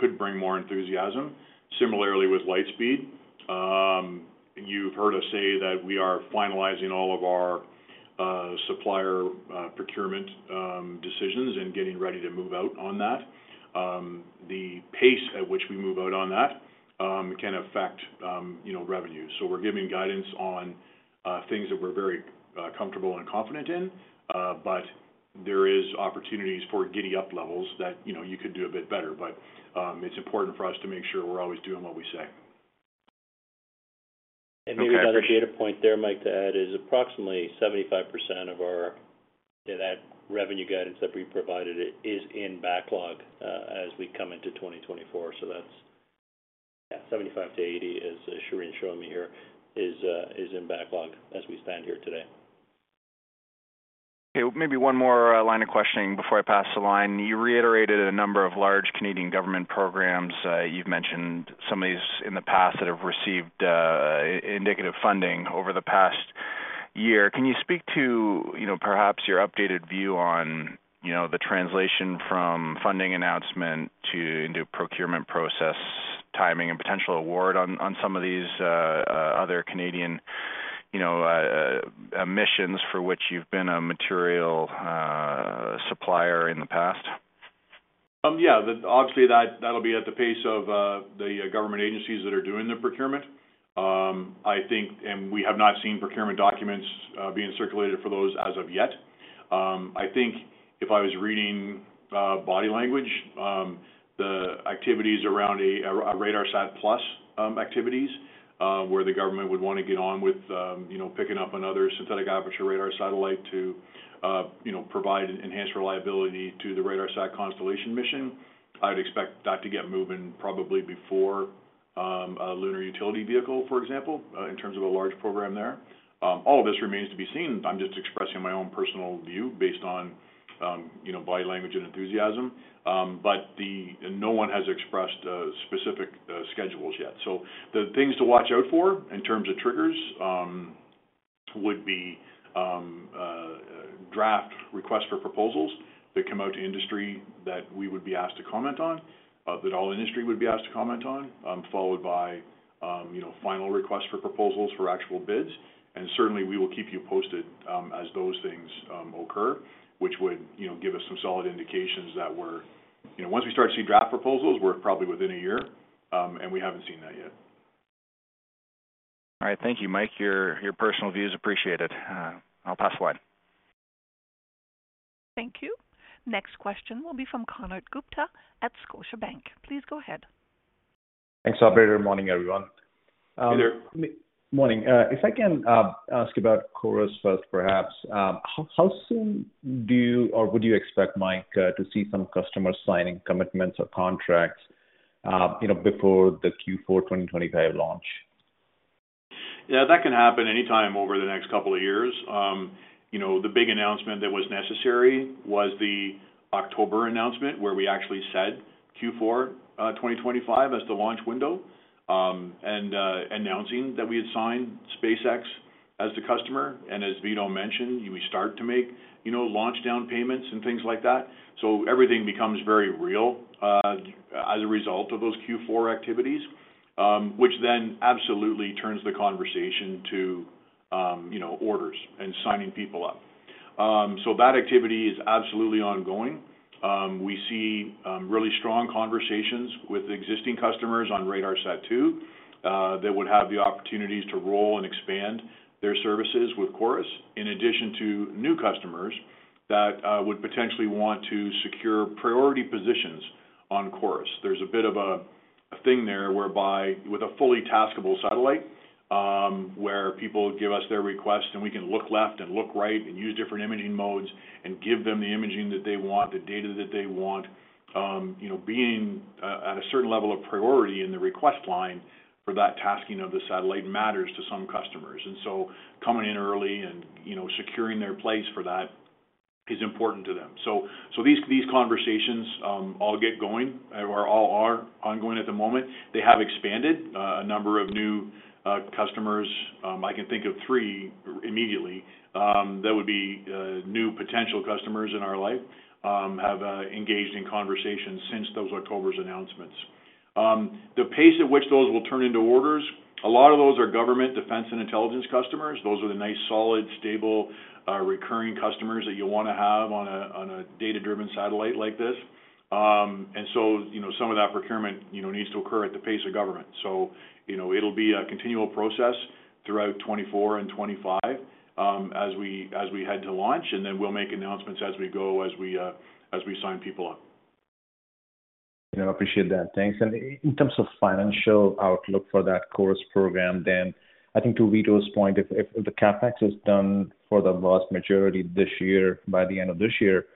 could bring more enthusiasm. Similarly, with Lightspeed, you've heard us say that we are finalizing all of our supplier procurement decisions and getting ready to move out on that. The pace at which we move out on that can affect revenues. So we're giving guidance on things that we're very comfortable and confident in, but there are opportunities for giddy-up levels that you could do a bit better. But it's important for us to make sure we're always doing what we say. Maybe the other data point there, Mike, to add is approximately 75% of that revenue guidance that we provided is in backlog as we come into 2024. So yeah, 75%-80%, as Shereen's showing me here, is in backlog as we stand here today. Okay, maybe one more line of questioning before I pass the line. You reiterated a number of large Canadian government programs. You've mentioned some of these in the past that have received indicative funding over the past year. Can you speak to perhaps your updated view on the translation from funding announcement into procurement process timing and potential award on some of these other Canadian missions for which you've been a material supplier in the past? Yeah, obviously, that'll be at the pace of the government agencies that are doing the procurement. We have not seen procurement documents being circulated for those as of yet. I think if I was reading body language, the activities around a RADARSAT+ activities where the government would want to get on with picking up another synthetic aperture radar satellite to provide enhanced reliability to the RADARSAT constellation mission, I would expect that to get moving probably before a lunar utility vehicle, for example, in terms of a large program there. All of this remains to be seen. I'm just expressing my own personal view based on body language and enthusiasm, but no one has expressed specific schedules yet. So the things to watch out for in terms of triggers would be draft requests for proposals that come out to industry that we would be asked to comment on, that all industry would be asked to comment on, followed by final requests for proposals for actual bids. And certainly, we will keep you posted as those things occur, which would give us some solid indications that once we start to see draft proposals, we're probably within a year, and we haven't seen that yet. All right, thank you, Mike. Your personal views appreciated. I'll pass the line. Thank you. Next question will be from Konark Gupta at Scotiabank. Please go ahead. Thanks, operator. Morning, everyone. Hey there. Morning. If I can ask about CHORUS first, perhaps, how soon do you or would you expect, Mike, to see some customers signing commitments or contracts before the Q4 2025 launch? Yeah, that can happen anytime over the next couple of years. The big announcement that was necessary was the October announcement where we actually said Q4 2025 as the launch window and announcing that we had signed SpaceX as the customer. And as Vito mentioned, we start to make launch down payments and things like that. So everything becomes very real as a result of those Q4 activities, which then absolutely turns the conversation to orders and signing people up. So that activity is absolutely ongoing. We see really strong conversations with existing customers on RADARSAT-2 that would have the opportunities to roll and expand their services with CHORUS in addition to new customers that would potentially want to secure priority positions on CHORUS. There's a bit of a thing there whereby with a fully taskable satellite where people give us their requests, and we can look left and look right and use different imaging modes and give them the imaging that they want, the data that they want, being at a certain level of priority in the request line for that tasking of the satellite matters to some customers. And so coming in early and securing their place for that is important to them. So these conversations all get going or all are ongoing at the moment. They have expanded. A number of new customers—I can think of three immediately that would be new potential customers in our life—have engaged in conversations since those October announcements. The pace at which those will turn into orders, a lot of those are government, defense, and intelligence customers. Those are the nice, solid, stable, recurring customers that you'll want to have on a data-driven satellite like this. And so some of that procurement needs to occur at the pace of government. So it'll be a continual process throughout 2024 and 2025 as we head to launch, and then we'll make announcements as we go as we sign people up. I appreciate that. Thanks. And in terms of financial outlook for that CHORUS program, then I think to Vito's point, if the CapEx is done for the vast majority by the end of this year,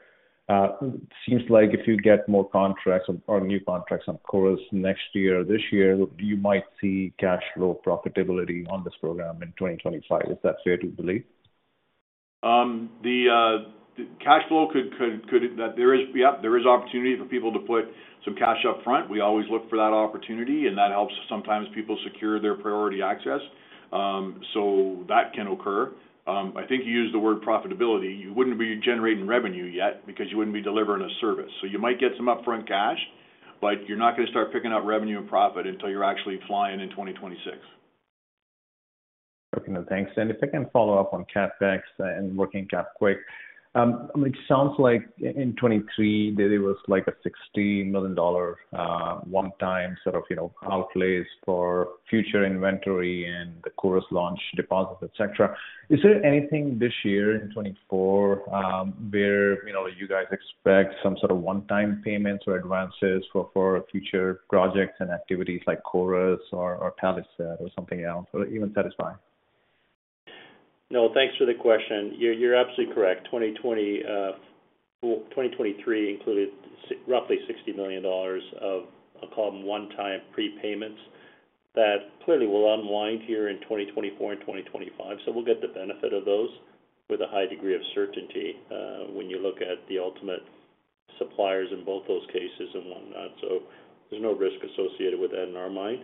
it seems like if you get more contracts or new contracts on CHORUS next year or this year, you might see cash flow profitability on this program in 2025. Is that fair to believe? The cash flow could there is yep, there is opportunity for people to put some cash upfront. We always look for that opportunity, and that helps sometimes people secure their priority access. So that can occur. I think you use the word profitability. You wouldn't be generating revenue yet because you wouldn't be delivering a service. So you might get some upfront cash, but you're not going to start picking up revenue and profit until you're actually flying in 2026. Okay, no, thanks, Mike. If I can follow up on CapEx and working capital, it sounds like in 2023, there was a 60 million dollar one-time sort of outlays for future inventory and the CHORUS launch deposit, etc. Is there anything this year in 2024 where you guys expect some sort of one-time payments or advances for future projects and activities like CHORUS or Telesat or something else or even SatixFy? No, thanks for the question. You're absolutely correct. 2023 included roughly CAD 60 million of, I'll call them, one-time prepayments that clearly will unwind here in 2024 and 2025. So we'll get the benefit of those with a high degree of certainty when you look at the ultimate suppliers in both those cases and whatnot. So there's no risk associated with that in our mind.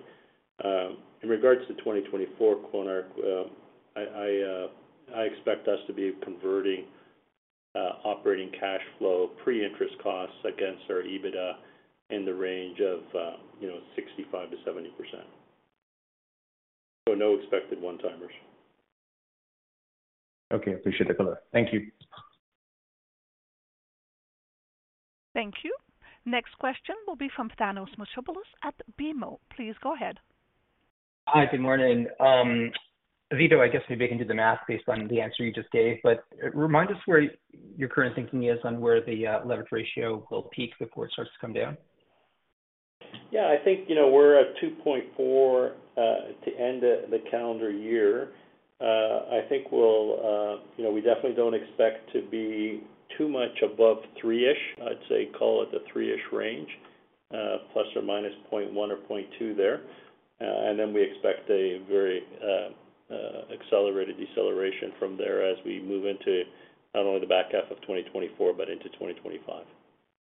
In regards to 2024, Konark, I expect us to be converting operating cash flow pre-interest costs against our EBITDA in the range of 65%-70%. So no expected one-timers. Okay, appreciate the clarification. Thank you. Thank you. Next question will be from Thanos Moschopoulos at BMO. Please go ahead. Hi, good morning. Vito, I guess maybe I can do the math based on the answer you just gave, but remind us where your current thinking is on where the leverage ratio will peak before it starts to come down. Yeah, I think we're at 2.4 to end the calendar year. I think we'll we definitely don't expect to be too much above 3-ish. I'd say call it the 3-ish range, ±0.1 or ±0.2 there. And then we expect a very accelerated deceleration from there as we move into not only the back half of 2024 but into 2025.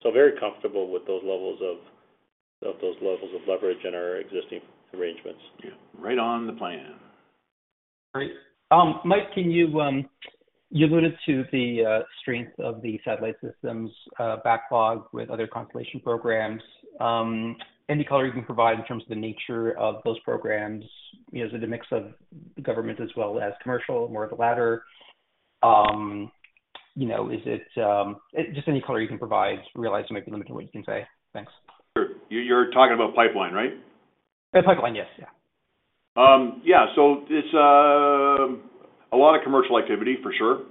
So very comfortable with those levels of leverage in our existing arrangements. Yeah, right on the plan. Great. Mike, you alluded to the strength of the satellite systems backlog with other constellation programs. Any color you can provide in terms of the nature of those programs? Is it a mix of government as well as commercial, more of the latter? Is it just any color you can provide? Realize I might be limited in what you can say. Thanks. Sure. You're talking about pipeline, right? Pipeline, yes, yeah. Yeah, so it's a lot of commercial activity, for sure.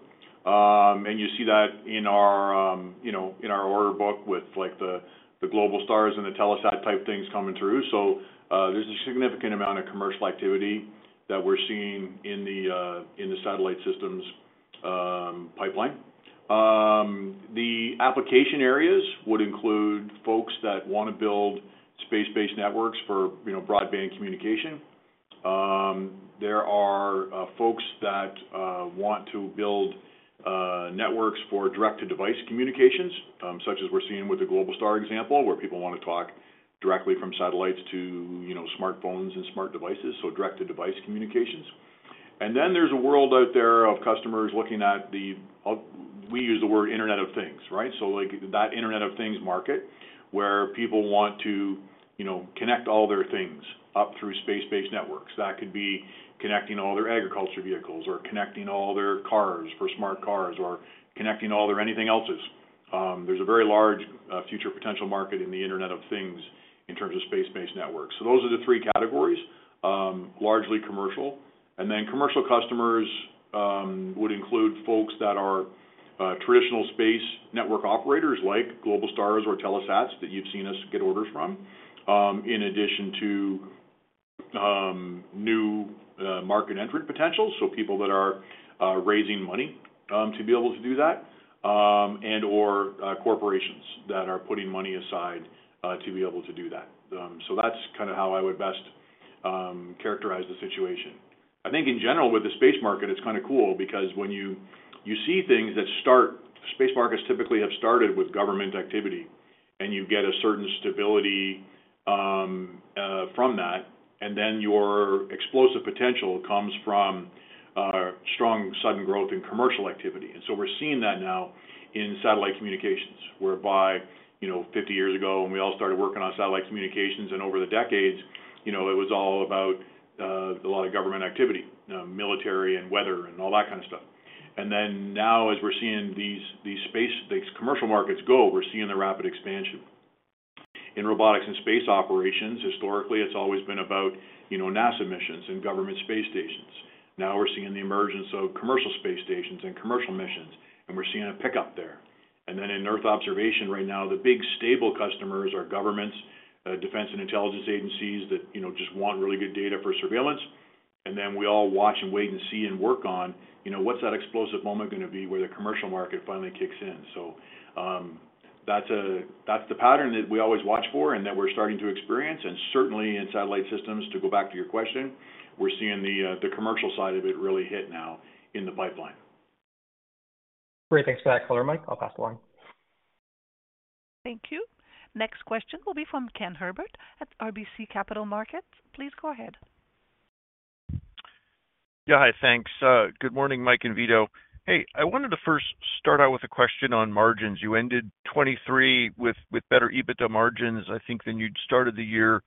And you see that in our order book with the Globalstar and the Telesat type things coming through. So there's a significant amount of commercial activity that we're seeing in the satellite systems pipeline. The application areas would include folks that want to build space-based networks for broadband communication. There are folks that want to build networks for direct-to-device communications, such as we're seeing with the Globalstar example where people want to talk directly from satellites to smartphones and smart devices, so direct-to-device communications. And then there's a world out there of customers looking at the we use the word Internet of Things, right? So that Internet of Things market where people want to connect all their things up through space-based networks. That could be connecting all their agriculture vehicles or connecting all their cars for smart cars or connecting all their anything else's. There's a very large future potential market in the Internet of Things in terms of space-based networks. So those are the three categories, largely commercial. And then commercial customers would include folks that are traditional space network operators like Globalstar or Telesat that you've seen us get orders from, in addition to new market entrant potentials, so people that are raising money to be able to do that, and/or corporations that are putting money aside to be able to do that. So that's kind of how I would best characterize the situation. I think in general, with the space market, it's kind of cool because when you see things that start space markets typically have started with government activity, and you get a certain stability from that, and then your explosive potential comes from strong, sudden growth in commercial activity. So we're seeing that now in satellite communications whereby 50 years ago, when we all started working on satellite communications and over the decades, it was all about a lot of government activity, military and weather and all that kind of stuff. Then now, as we're seeing these commercial markets go, we're seeing the rapid expansion. In robotics and space operations, historically, it's always been about NASA missions and government space stations. Now we're seeing the emergence of commercial space stations and commercial missions, and we're seeing a pickup there. And then in Earth observation right now, the big stable customers are governments, defense and intelligence agencies that just want really good data for surveillance. And then we all watch and wait and see and work on what's that explosive moment going to be where the commercial market finally kicks in. So that's the pattern that we always watch for and that we're starting to experience. And certainly, in satellite systems, to go back to your question, we're seeing the commercial side of it really hit now in the pipeline. Great. Thanks for that color, Mike. I'll pass the line. Thank you. Next question will be from Ken Herbert at RBC Capital Markets. Please go ahead. Yeah, hi, thanks. Good morning, Mike and Vito. Hey, I wanted to first start out with a question on margins. You ended 2023 with better EBITDA margins, I think, than you'd started the year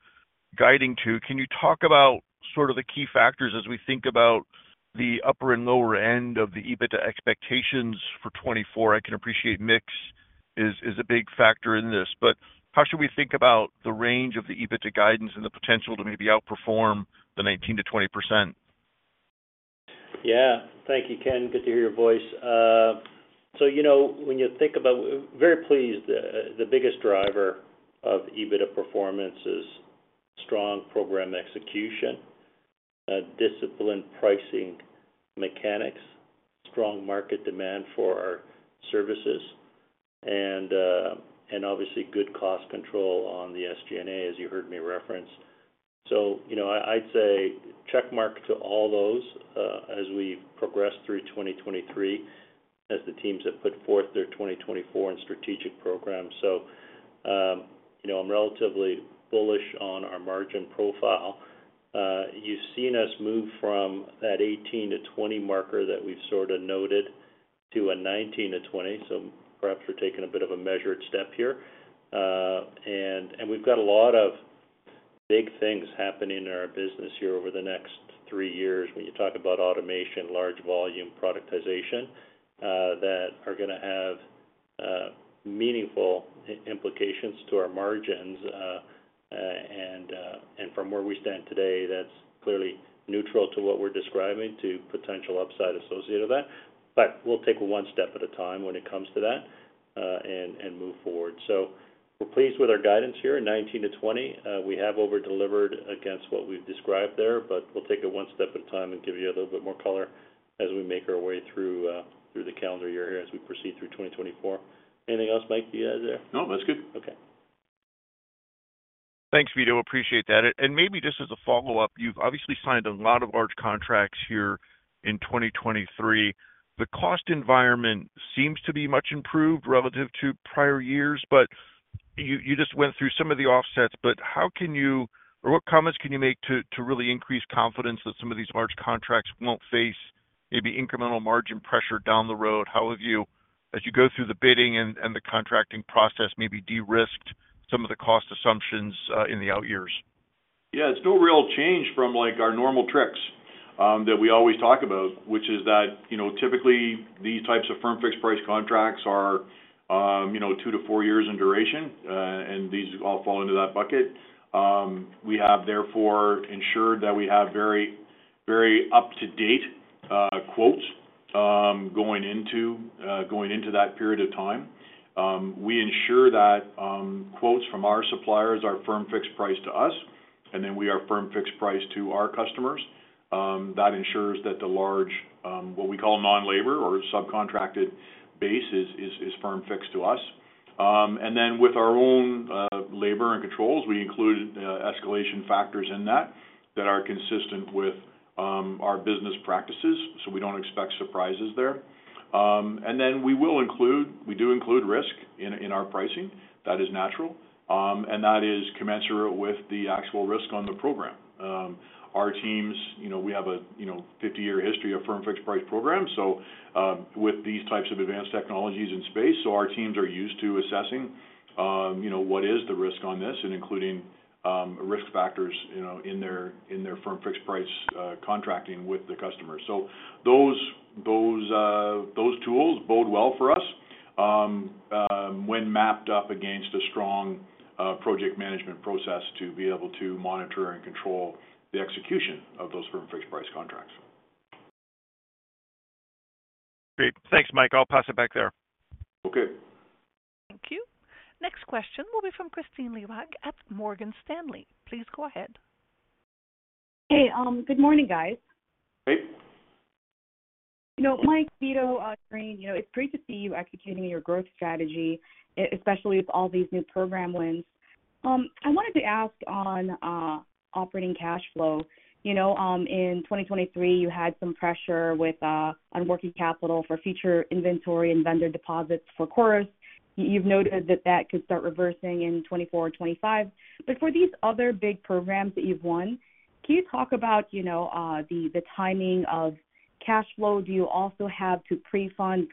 guiding to. Can you talk about sort of the key factors as we think about the upper and lower end of the EBITDA expectations for 2024? I can appreciate mix is a big factor in this. But how should we think about the range of the EBITDA guidance and the potential to maybe outperform the 19%-20%? Yeah, thank you, Ken. Good to hear your voice. So when you think about very pleased, the biggest driver of EBITDA performance is strong program execution, disciplined pricing mechanics, strong market demand for our services, and obviously, good cost control on the SG&A, as you heard me reference. So I'd say checkmark to all those as we progress through 2023 as the teams have put forth their 2024 and strategic programs. So I'm relatively bullish on our margin profile. You've seen us move from that 18-20 marker that we've sort of noted to a 19-20. So perhaps we're taking a bit of a measured step here. And we've got a lot of big things happening in our business here over the next three years when you talk about automation, large volume, productization that are going to have meaningful implications to our margins. And from where we stand today, that's clearly neutral to what we're describing to potential upside associated with that. But we'll take it one step at a time when it comes to that and move forward. So we're pleased with our guidance here. 2019-2020, we have overdelivered against what we've described there, but we'll take it one step at a time and give you a little bit more color as we make our way through the calendar year here as we proceed through 2024. Anything else, Mike, do you have there? No, that's good. Okay. Thanks, Vito. Appreciate that. And maybe just as a follow-up, you've obviously signed a lot of large contracts here in 2023. The cost environment seems to be much improved relative to prior years, but you just went through some of the offsets. But how can you or what comments can you make to really increase confidence that some of these large contracts won't face maybe incremental margin pressure down the road? How have you, as you go through the bidding and the contracting process, maybe de-risked some of the cost assumptions in the out years? Yeah, it's no real change from our normal tricks that we always talk about, which is that typically, these types of firm-fixed price contracts are 2-4 years in duration, and these all fall into that bucket. We have, therefore, ensured that we have very up-to-date quotes going into that period of time. We ensure that quotes from our suppliers are firm-fixed price to us, and then we are firm-fixed price to our customers. That ensures that the large, what we call non-labor or subcontracted base, is firm-fixed to us. And then with our own labor and controls, we included escalation factors in that that are consistent with our business practices, so we don't expect surprises there. And then we do include risk in our pricing. That is natural. And that is commensurate with the actual risk on the program. Our teams, we have a 50-year history of firm-fixed price programs with these types of advanced technologies in space. So our teams are used to assessing what is the risk on this and including risk factors in their firm-fixed price contracting with the customers. So those tools bode well for us when mapped up against a strong project management process to be able to monitor and control the execution of those firm-fixed price contracts. Great. Thanks, Mike. I'll pass it back there. Okay. Thank you. Next question will be from Kristine Liwag at Morgan Stanley. Please go ahead. Hey, good morning, guys. Hey. Mike, Vito, Shereen, it's great to see you executing your growth strategy, especially with all these new program wins. I wanted to ask on operating cash flow. In 2023, you had some pressure on working capital for future inventory and vendor deposits for CHORUS. You've noted that that could start reversing in 2024 or 2025. But for these other big programs that you've won, can you talk about the timing of cash flow? Do you also have to pre-fund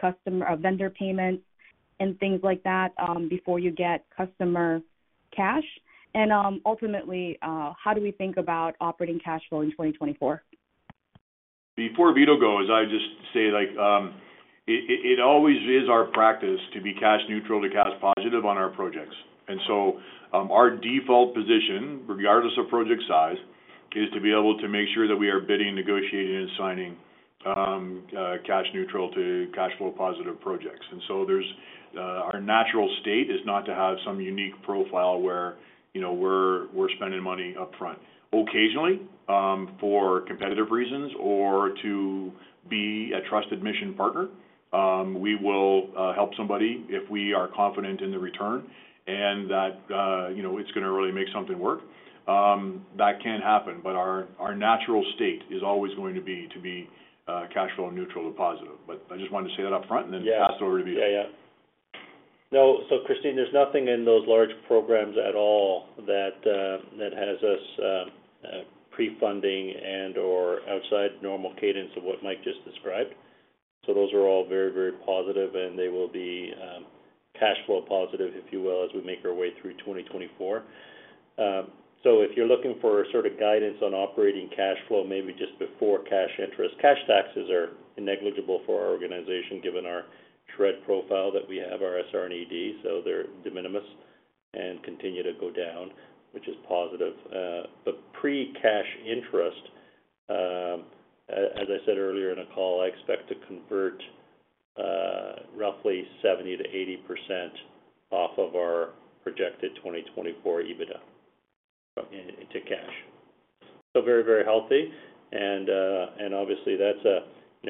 vendor payments and things like that before you get customer cash? And ultimately, how do we think about operating cash flow in 2024? Before Vito goes, I'd just say it always is our practice to be cash-neutral to cash-positive on our projects. And so our default position, regardless of project size, is to be able to make sure that we are bidding, negotiating, and signing cash-neutral to cash-flow-positive projects. And so our natural state is not to have some unique profile where we're spending money upfront. Occasionally, for competitive reasons or to be a trusted mission partner, we will help somebody if we are confident in the return and that it's going to really make something work. That can happen. But our natural state is always going to be to be cash-flow-neutral to positive. But I just wanted to say that upfront and then pass it over to Vito. Yeah, yeah. No, so Kristine, there's nothing in those large programs at all that has us pre-funding and/or outside normal cadence of what Mike just described. So those are all very, very positive, and they will be cash-flow-positive, if you will, as we make our way through 2024. So if you're looking for sort of guidance on operating cash flow, maybe just before cash interest, cash taxes are negligible for our organization given our SR&ED profile that we have, our SR&ED. So they're de minimis and continue to go down, which is positive. But pre-cash interest, as I said earlier in a call, I expect to convert roughly 70%-80% off of our projected 2024 EBITDA to cash. So very, very healthy. And obviously,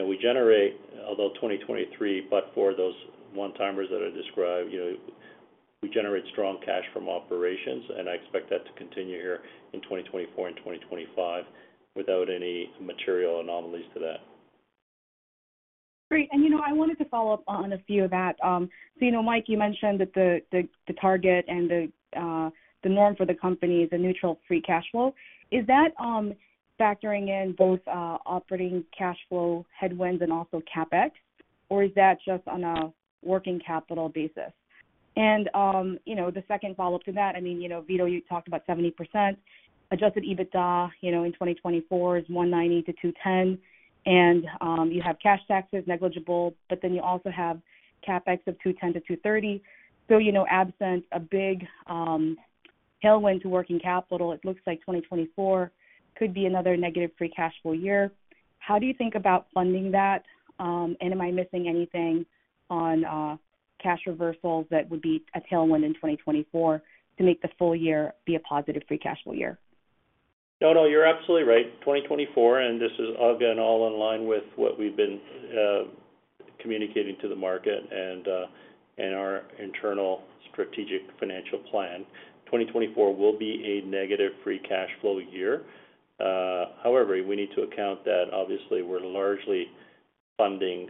we generate, although 2023, but for those one-timers that I described, we generate strong cash from operations, and I expect that to continue here in 2024 and 2025 without any material anomalies to that. Great. And I wanted to follow up on a few of that. So Mike, you mentioned that the target and the norm for the company is a neutral free cash flow. Is that factoring in both operating cash flow headwinds and also CapEx, or is that just on a working capital basis? And the second follow-up to that, I mean, Vito, you talked about 70%. Adjusted EBITDA in 2024 is 190-210, and you have cash taxes negligible, but then you also have CapEx of 210-230. So, absent a big tailwind to working capital, it looks like 2024 could be another negative free cash flow year. How do you think about funding that? And am I missing anything on cash reversals that would be a tailwind in 2024 to make the full year be a positive free cash flow year? No, no, you're absolutely right. 2024, and this is again all in line with what we've been communicating to the market and our internal strategic financial plan. 2024 will be a negative free cash flow year. However, we need to account that, obviously, we're largely funding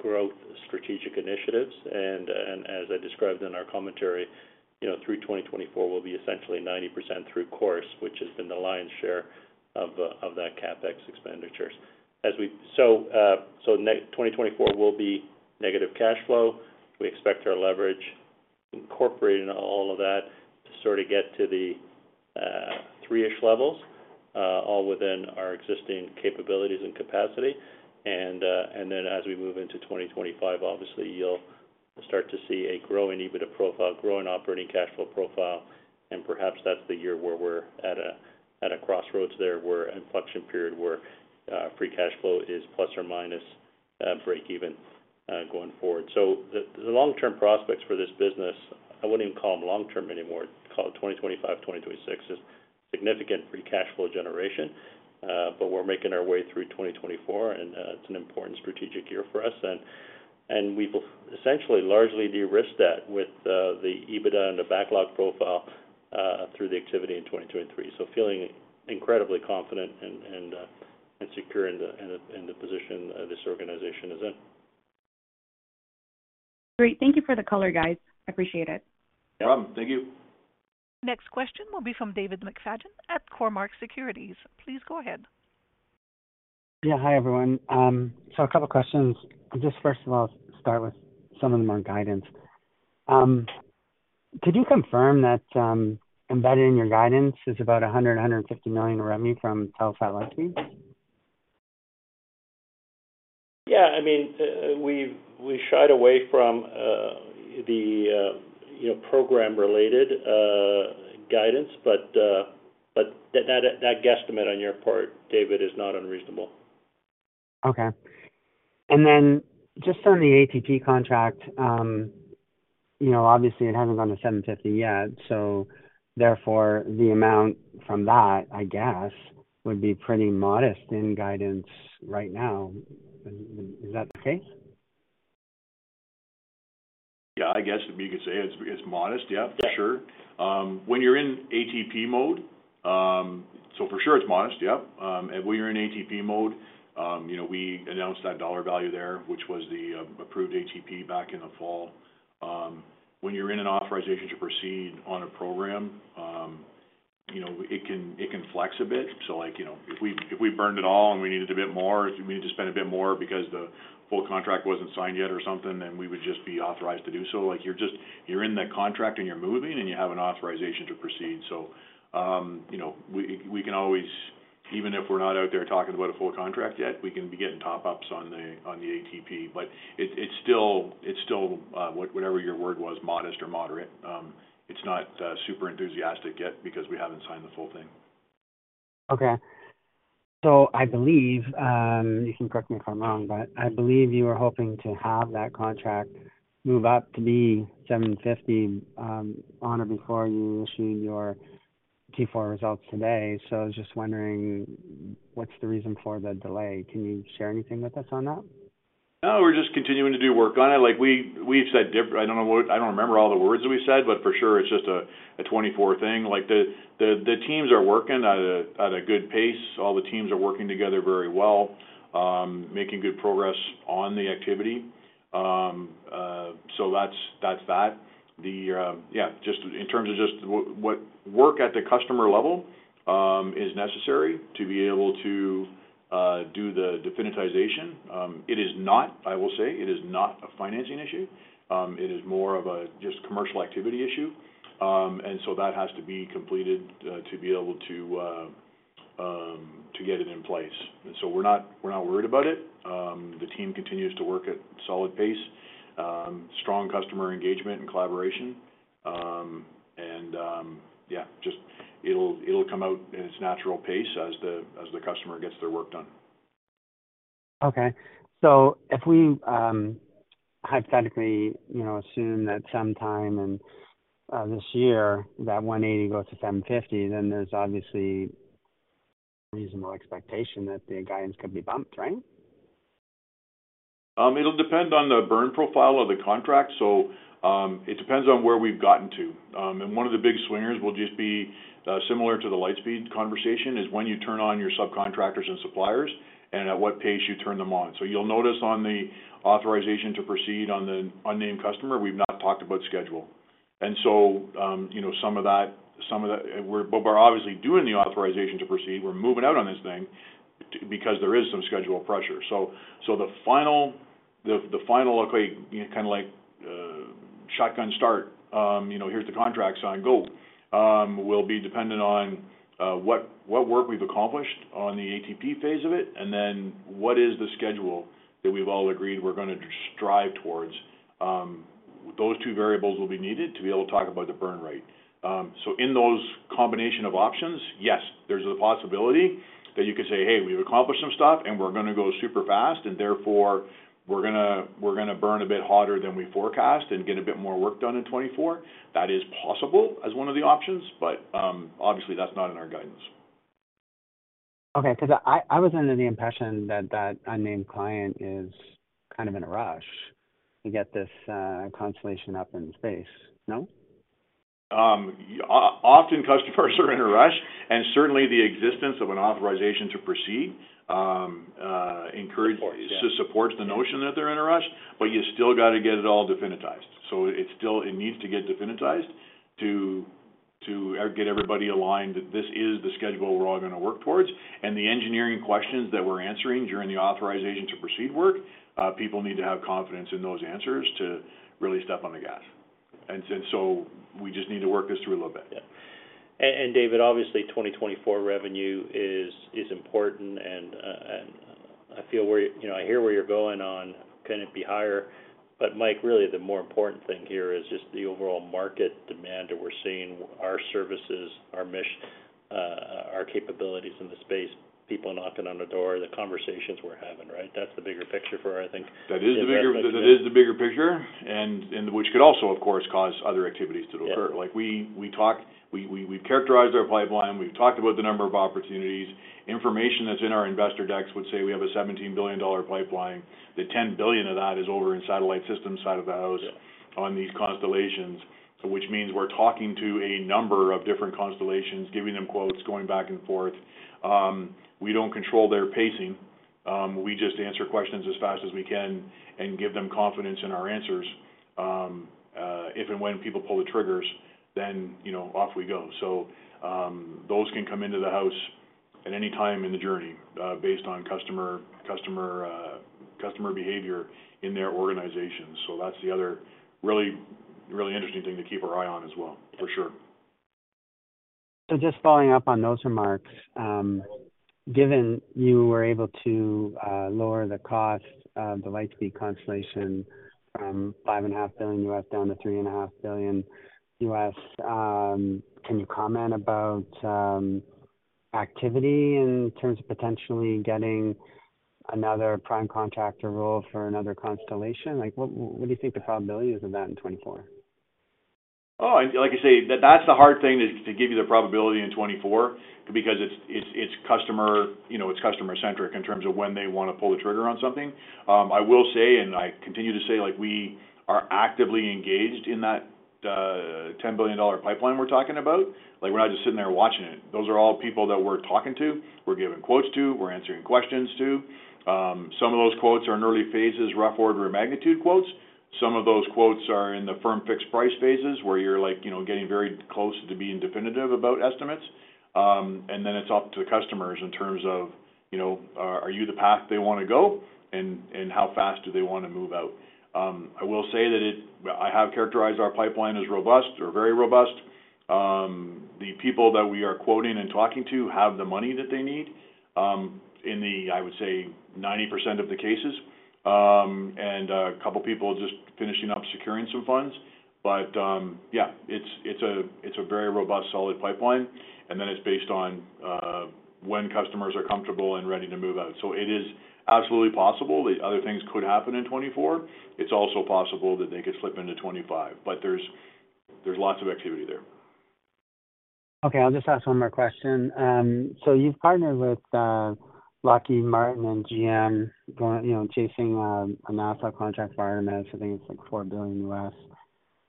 growth strategic initiatives. As I described in our commentary, through 2024, we'll be essentially 90% through CHORUS, which has been the lion's share of that CapEx expenditure. 2024 will be negative cash flow. We expect our leverage, incorporating all of that, to sort of get to the 3-ish levels, all within our existing capabilities and capacity. Then as we move into 2025, obviously, you'll start to see a growing EBITDA profile, growing operating cash flow profile. And perhaps that's the year where we're at a crossroads there where inflection period where free cash flow is plus or minus break-even going forward. The long-term prospects for this business, I wouldn't even call them long-term anymore. Call it 2025, 2026 is significant free cash flow generation. But we're making our way through 2024, and it's an important strategic year for us. We've essentially largely de-risked that with the EBITDA and the backlog profile through the activity in 2023. So feeling incredibly confident and secure in the position this organization is in. Great. Thank you for the color, guys. Appreciate it. No problem. Thank you. Next question will be from David McFadgen at Cormark Securities. Please go ahead. Yeah, hi, everyone. So a couple of questions. I'll just, first of all, start with some of them on guidance. Could you confirm that embedded in your guidance is about 100 million-150 million revenue from Telesat Lightspeed? Yeah, I mean, we shied away from the program-related guidance, but that guesstimate on your part, David, is not unreasonable. Okay. And then just on the ATP contract, obviously, it hasn't gone to 750 million yet. So therefore, the amount from that, I guess, would be pretty modest in guidance right now. Is that the case? Yeah, I guess if you could say it's modest, yeah, for sure. When you're in ATP mode, so for sure, it's modest, yeah. And when you're in ATP mode, we announced that dollar value there, which was the approved ATP back in the fall. When you're in an authorization to proceed on a program, it can flex a bit. So if we burned it all and we needed a bit more, if we needed to spend a bit more because the full contract wasn't signed yet or something, then we would just be authorized to do so. You're in that contract, and you're moving, and you have an authorization to proceed. So we can always, even if we're not out there talking about a full contract yet, we can be getting top-ups on the ATP. But it's still, whatever your word was, modest or moderate. It's not super enthusiastic yet because we haven't signed the full thing. Okay. So I believe you can correct me if I'm wrong, but I believe you were hoping to have that contract move up to be 750 on or before you issued your Q4 results today. So I was just wondering, what's the reason for the delay? Can you share anything with us on that? No, we're just continuing to do work on it. We've said I don't remember all the words that we said, but for sure, it's just a 2024 thing. The teams are working at a good pace. All the teams are working together very well, making good progress on the activity. So that's that. Yeah, just in terms of just what work at the customer level is necessary to be able to do the definitization, it is not, I will say, it is not a financing issue. It is more of a just commercial activity issue. And so that has to be completed to be able to get it in place. And so we're not worried about it. The team continues to work at solid pace, strong customer engagement and collaboration. And yeah, just it'll come out at its natural pace as the customer gets their work done. Okay. So if we hypothetically assume that sometime in this year that 180 goes to 750, then there's obviously reasonable expectation that the guidance could be bumped, right? It'll depend on the burn profile of the contract. So it depends on where we've gotten to. One of the big swingers will just be similar to the Lightspeed conversation is when you turn on your subcontractors and suppliers and at what pace you turn them on. So you'll notice on the Authorization to Proceed on the unnamed customer, we've not talked about schedule. And so some of that, but we're obviously doing the Authorization to Proceed. We're moving out on this thing because there is some schedule pressure. So the final, okay, kind of like shotgun start, "Here's the contract signed, go," will be dependent on what work we've accomplished on the ATP phase of it and then what is the schedule that we've all agreed we're going to strive towards. Those two variables will be needed to be able to talk about the burn rate. So in those combination of options, yes, there's the possibility that you could say, "Hey, we've accomplished some stuff, and we're going to go super fast, and therefore, we're going to burn a bit hotter than we forecast and get a bit more work done in 2024." That is possible as one of the options, but obviously, that's not in our guidance. Okay, because I was under the impression that that unnamed client is kind of in a rush to get this constellation up in space, no? Often, customers are in a rush, and certainly, the existence of an Authorization to Proceed supports the notion that they're in a rush. But you still got to get it all definitized. So it needs to get definitized to get everybody aligned that this is the schedule we're all going to work towards. The engineering questions that we're answering during the Authorization to Proceed work, people need to have confidence in those answers to really step on the gas. So we just need to work this through a little bit. Yeah. David, obviously, 2024 revenue is important. I feel where I hear where you're going on, "Couldn't it be higher?" But Mike, really, the more important thing here is just the overall market demand that we're seeing, our services, our capabilities in the space, people knocking on the door, the conversations we're having, right? That's the bigger picture for our, I think, investors. That is the bigger picture, which could also, of course, cause other activities to occur. We've characterized our pipeline. We've talked about the number of opportunities. Information that's in our investor decks would say we have a 17 billion dollar pipeline, that 10 billion of that is over in satellite system side of the house on these constellations, which means we're talking to a number of different constellations, giving them quotes, going back and forth. We don't control their pacing. We just answer questions as fast as we can and give them confidence in our answers. If and when people pull the triggers, then off we go. So those can come into the house at any time in the journey based on customer behavior in their organizations. So that's the other really, really interesting thing to keep our eye on as well, for sure. So just following up on those remarks, given you were able to lower the cost of the Lightspeed constellation from $5.5 billion down to $3.5 billion, can you comment about activity in terms of potentially getting another prime contractor role for another constellation? What do you think the probability is of that in 2024? Oh, like I say, that's the hard thing is to give you the probability in 2024 because it's customer-centric in terms of when they want to pull the trigger on something. I will say, and I continue to say, we are actively engaged in that $10 billion pipeline we're talking about. We're not just sitting there watching it. Those are all people that we're talking to, we're giving quotes to, we're answering questions to. Some of those quotes are in early phases, rough order of magnitude quotes. Some of those quotes are in the firm fixed price phases where you're getting very close to being definitive about estimates. And then it's up to the customers in terms of, "Are you the path they want to go? And how fast do they want to move out?" I will say that I have characterized our pipeline as robust or very robust. The people that we are quoting and talking to have the money that they need in the, I would say, 90% of the cases and a couple of people just finishing up securing some funds. But yeah, it's a very robust, solid pipeline. And then it's based on when customers are comfortable and ready to move out. So it is absolutely possible that other things could happen in 2024. It's also possible that they could slip into 2025. But there's lots of activity there. Okay, I'll just ask one more question. So you've partnered with Lockheed Martin and GM chasing a NASA contract for RMS. I think it's like $4 billion.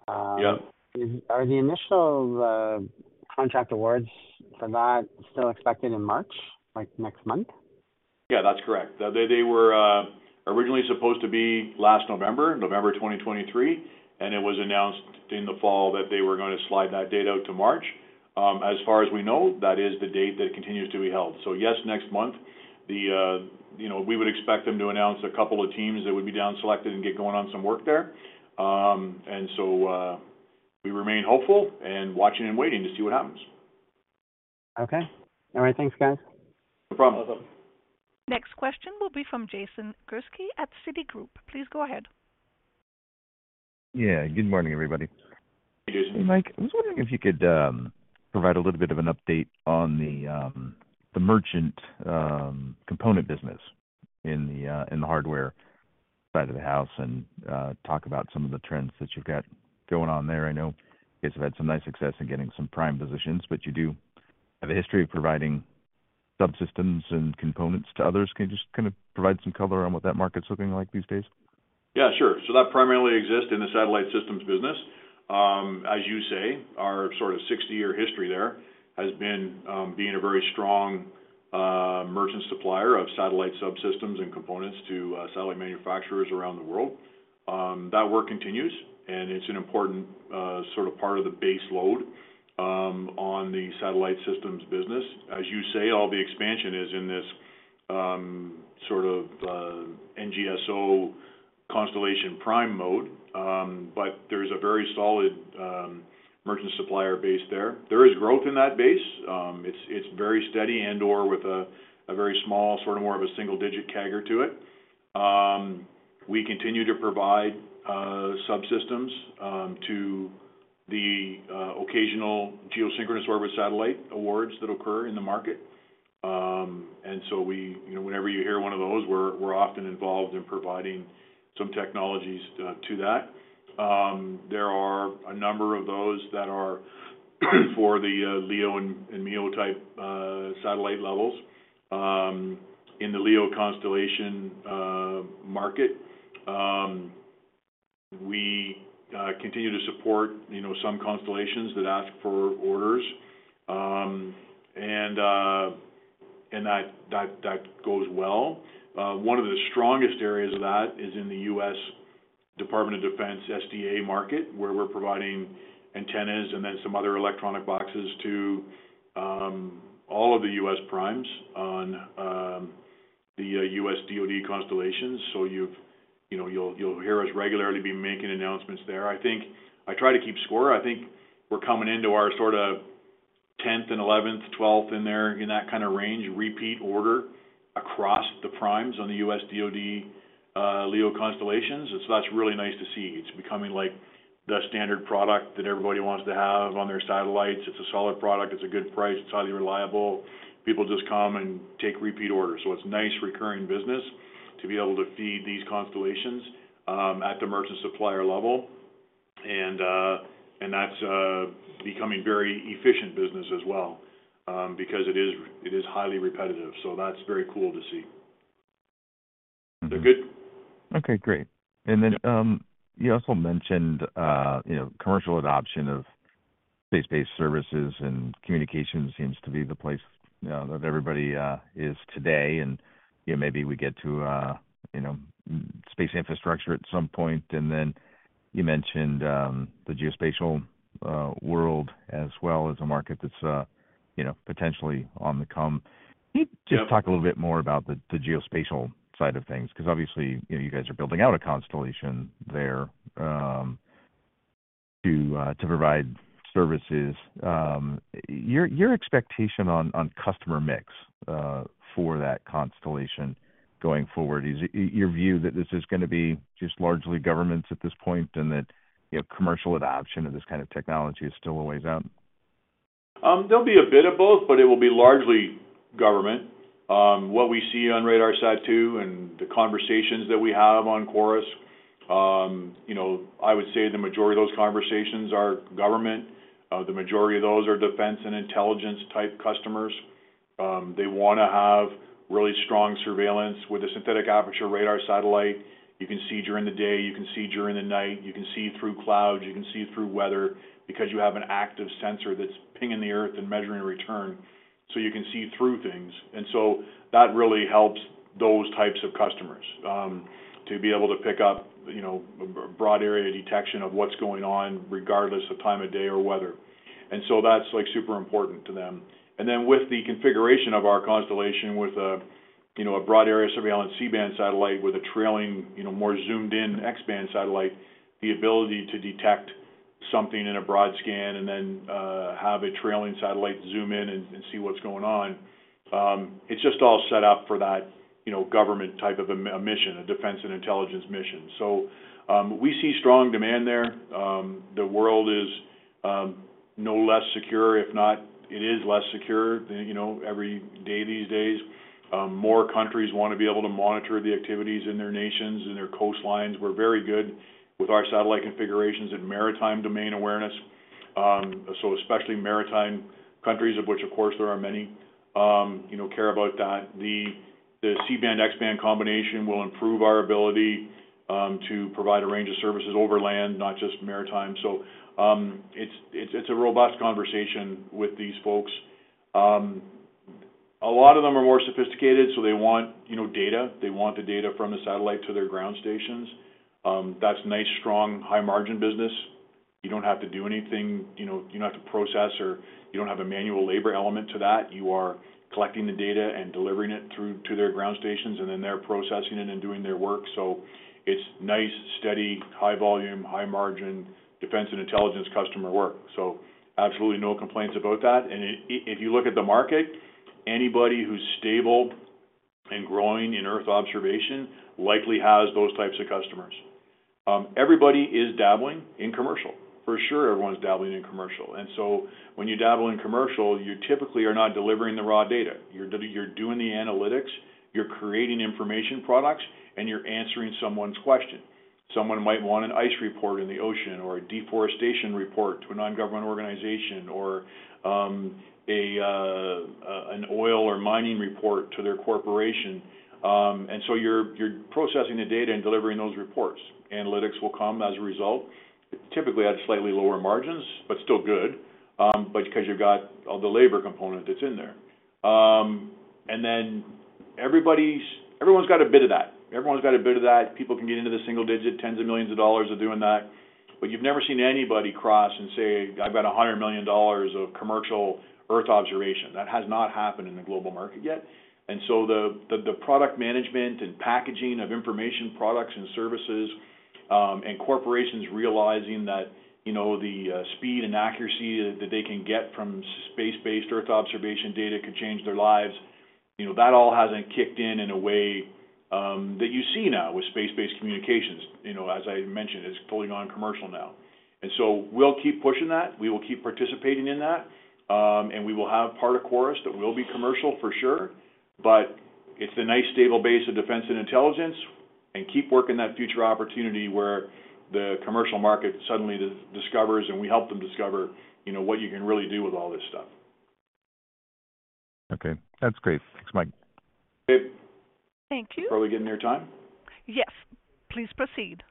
Are the initial contract awards for that still expected in March, like next month? Yeah, that's correct. They were originally supposed to be last November, November 2023. And it was announced in the fall that they were going to slide that date out to March. As far as we know, that is the date that continues to be held. So yes, next month, we would expect them to announce a couple of teams that would be down selected and get going on some work there. And so we remain hopeful and watching and waiting to see what happens. Okay. All right. Thanks, guys. No problem. Awesome. Next question will be from Jason Gursky at Citigroup. Please go ahead. Yeah, good morning, everybody. Hey, Jason. Hey, Mike. I was wondering if you could provide a little bit of an update on the merchant component business in the hardware side of the house and talk about some of the trends that you've got going on there. I know you guys have had some nice success in getting some prime positions, but you do have a history of providing subsystems and components to others. Can you just kind of provide some color on what that market's looking like these days? Yeah, sure. So that primarily exists in the satellite systems business. As you say, our sort of 60-year history there has been being a very strong merchant supplier of satellite subsystems and components to satellite manufacturers around the world. That work continues, and it's an important sort of part of the base load on the satellite systems business. As you say, all the expansion is in this sort of NGSO constellation prime mode, but there's a very solid merchant supplier base there. There is growth in that base. It's very steady and/or with a very small sort of more of a single-digit CAGR to it. We continue to provide subsystems to the occasional geosynchronous orbit satellite awards that occur in the market. So whenever you hear one of those, we're often involved in providing some technologies to that. There are a number of those that are for the LEO and MEO type satellite levels. In the LEO constellation market, we continue to support some constellations that ask for orders, and that goes well. One of the strongest areas of that is in the U.S. Department of Defense SDA market where we're providing antennas and then some other electronic boxes to all of the U.S. primes on the U.S. DoD constellations. So you'll hear us regularly be making announcements there. I try to keep score. I think we're coming into our sort of 10th and 11th, 12th in there, in that kind of range, repeat order across the primes on the U.S. DoD LEO constellations. And so that's really nice to see. It's becoming the standard product that everybody wants to have on their satellites. It's a solid product. It's a good price. It's highly reliable. People just come and take repeat orders. So it's nice recurring business to be able to feed these constellations at the merchant supplier level. And that's becoming very efficient business as well because it is highly repetitive. So that's very cool to see. Is that good? Okay, great. And then you also mentioned commercial adoption of space-based services, and communications seems to be the place that everybody is today. And maybe we get to space infrastructure at some point. And then you mentioned the geospatial world as well as a market that's potentially on the come. Can you just talk a little bit more about the geospatial side of things? Because obviously, you guys are building out a constellation there to provide services. Your expectation on customer mix for that constellation going forward, is your view that this is going to be just largely governments at this point and that commercial adoption of this kind of technology is still a ways out? There'll be a bit of both, but it will be largely government. What we see on the radar side too and the conversations that we have on CHORUS, I would say the majority of those conversations are government. The majority of those are defense and intelligence type customers. They want to have really strong surveillance with a synthetic aperture radar satellite. You can see during the day. You can see during the night. You can see through clouds. You can see through weather because you have an active sensor that's pinging the Earth and measuring return. So you can see through things. And so that really helps those types of customers to be able to pick up a broad area detection of what's going on regardless of time of day or weather. And so that's super important to them. And then with the configuration of our constellation with a broad area surveillance C-band satellite with a trailing, more zoomed-in X-band satellite, the ability to detect something in a broad scan and then have a trailing satellite zoom in and see what's going on, it's just all set up for that government type of a mission, a defense and intelligence mission. So we see strong demand there. The world is no less secure, if not it is less secure every day these days. More countries want to be able to monitor the activities in their nations, in their coastlines. We're very good with our satellite configurations in maritime domain awareness, so especially maritime countries, of which, of course, there are many, care about that. The C-band X-band combination will improve our ability to provide a range of services over land, not just maritime. So it's a robust conversation with these folks. A lot of them are more sophisticated, so they want data. They want the data from the satellite to their ground stations. That's nice, strong, high-margin business. You don't have to do anything. You don't have to process or you don't have a manual labor element to that. You are collecting the data and delivering it through to their ground stations, and then they're processing it and doing their work. So it's nice, steady, high volume, high-margin defense and intelligence customer work. So absolutely no complaints about that. And if you look at the market, anybody who's stable and growing in Earth observation likely has those types of customers. Everybody is dabbling in commercial. For sure, everyone's dabbling in commercial. And so when you dabble in commercial, you typically are not delivering the raw data. You're doing the analytics. You're creating information products, and you're answering someone's question. Someone might want an ice report in the ocean or a deforestation report to a non-government organization or an oil or mining report to their corporation. And so you're processing the data and delivering those reports. Analytics will come as a result, typically at slightly lower margins, but still good because you've got all the labor component that's in there. And then everyone's got a bit of that. Everyone's got a bit of that. People can get into the single digit. Tens of millions of dollars are doing that. But you've never seen anybody cross and say, "I've got $100 million of commercial Earth observation." That has not happened in the global market yet. And so the product management and packaging of information products and services and corporations realizing that the speed and accuracy that they can get from space-based Earth observation data could change their lives, that all hasn't kicked in in a way that you see now with space-based communications. As I mentioned, it's fully gone commercial now. And so we'll keep pushing that. We will keep participating in that. And we will have part of CHORUS that will be commercial, for sure. But it's the nice, stable base of defense and intelligence. And keep working that future opportunity where the commercial market suddenly discovers, and we help them discover what you can really do with all this stuff. Okay, that's great. Thanks, Mike. Okay. Thank you. Before we get near time? Yes. Please proceed.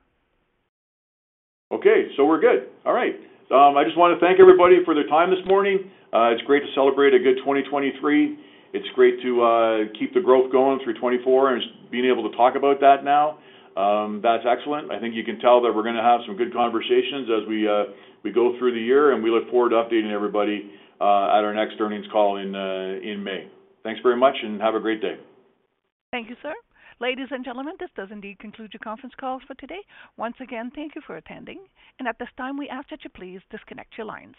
Okay, so we're good. All right. I just want to thank everybody for their time this morning. It's great to celebrate a good 2023. It's great to keep the growth going through 2024 and being able to talk about that now. That's excellent. I think you can tell that we're going to have some good conversations as we go through the year. We look forward to updating everybody at our next earnings call in May. Thanks very much, and have a great day. Thank you, sir. Ladies and gentlemen, this does indeed conclude your conference call for today. Once again, thank you for attending. At this time, we ask that you please disconnect your lines.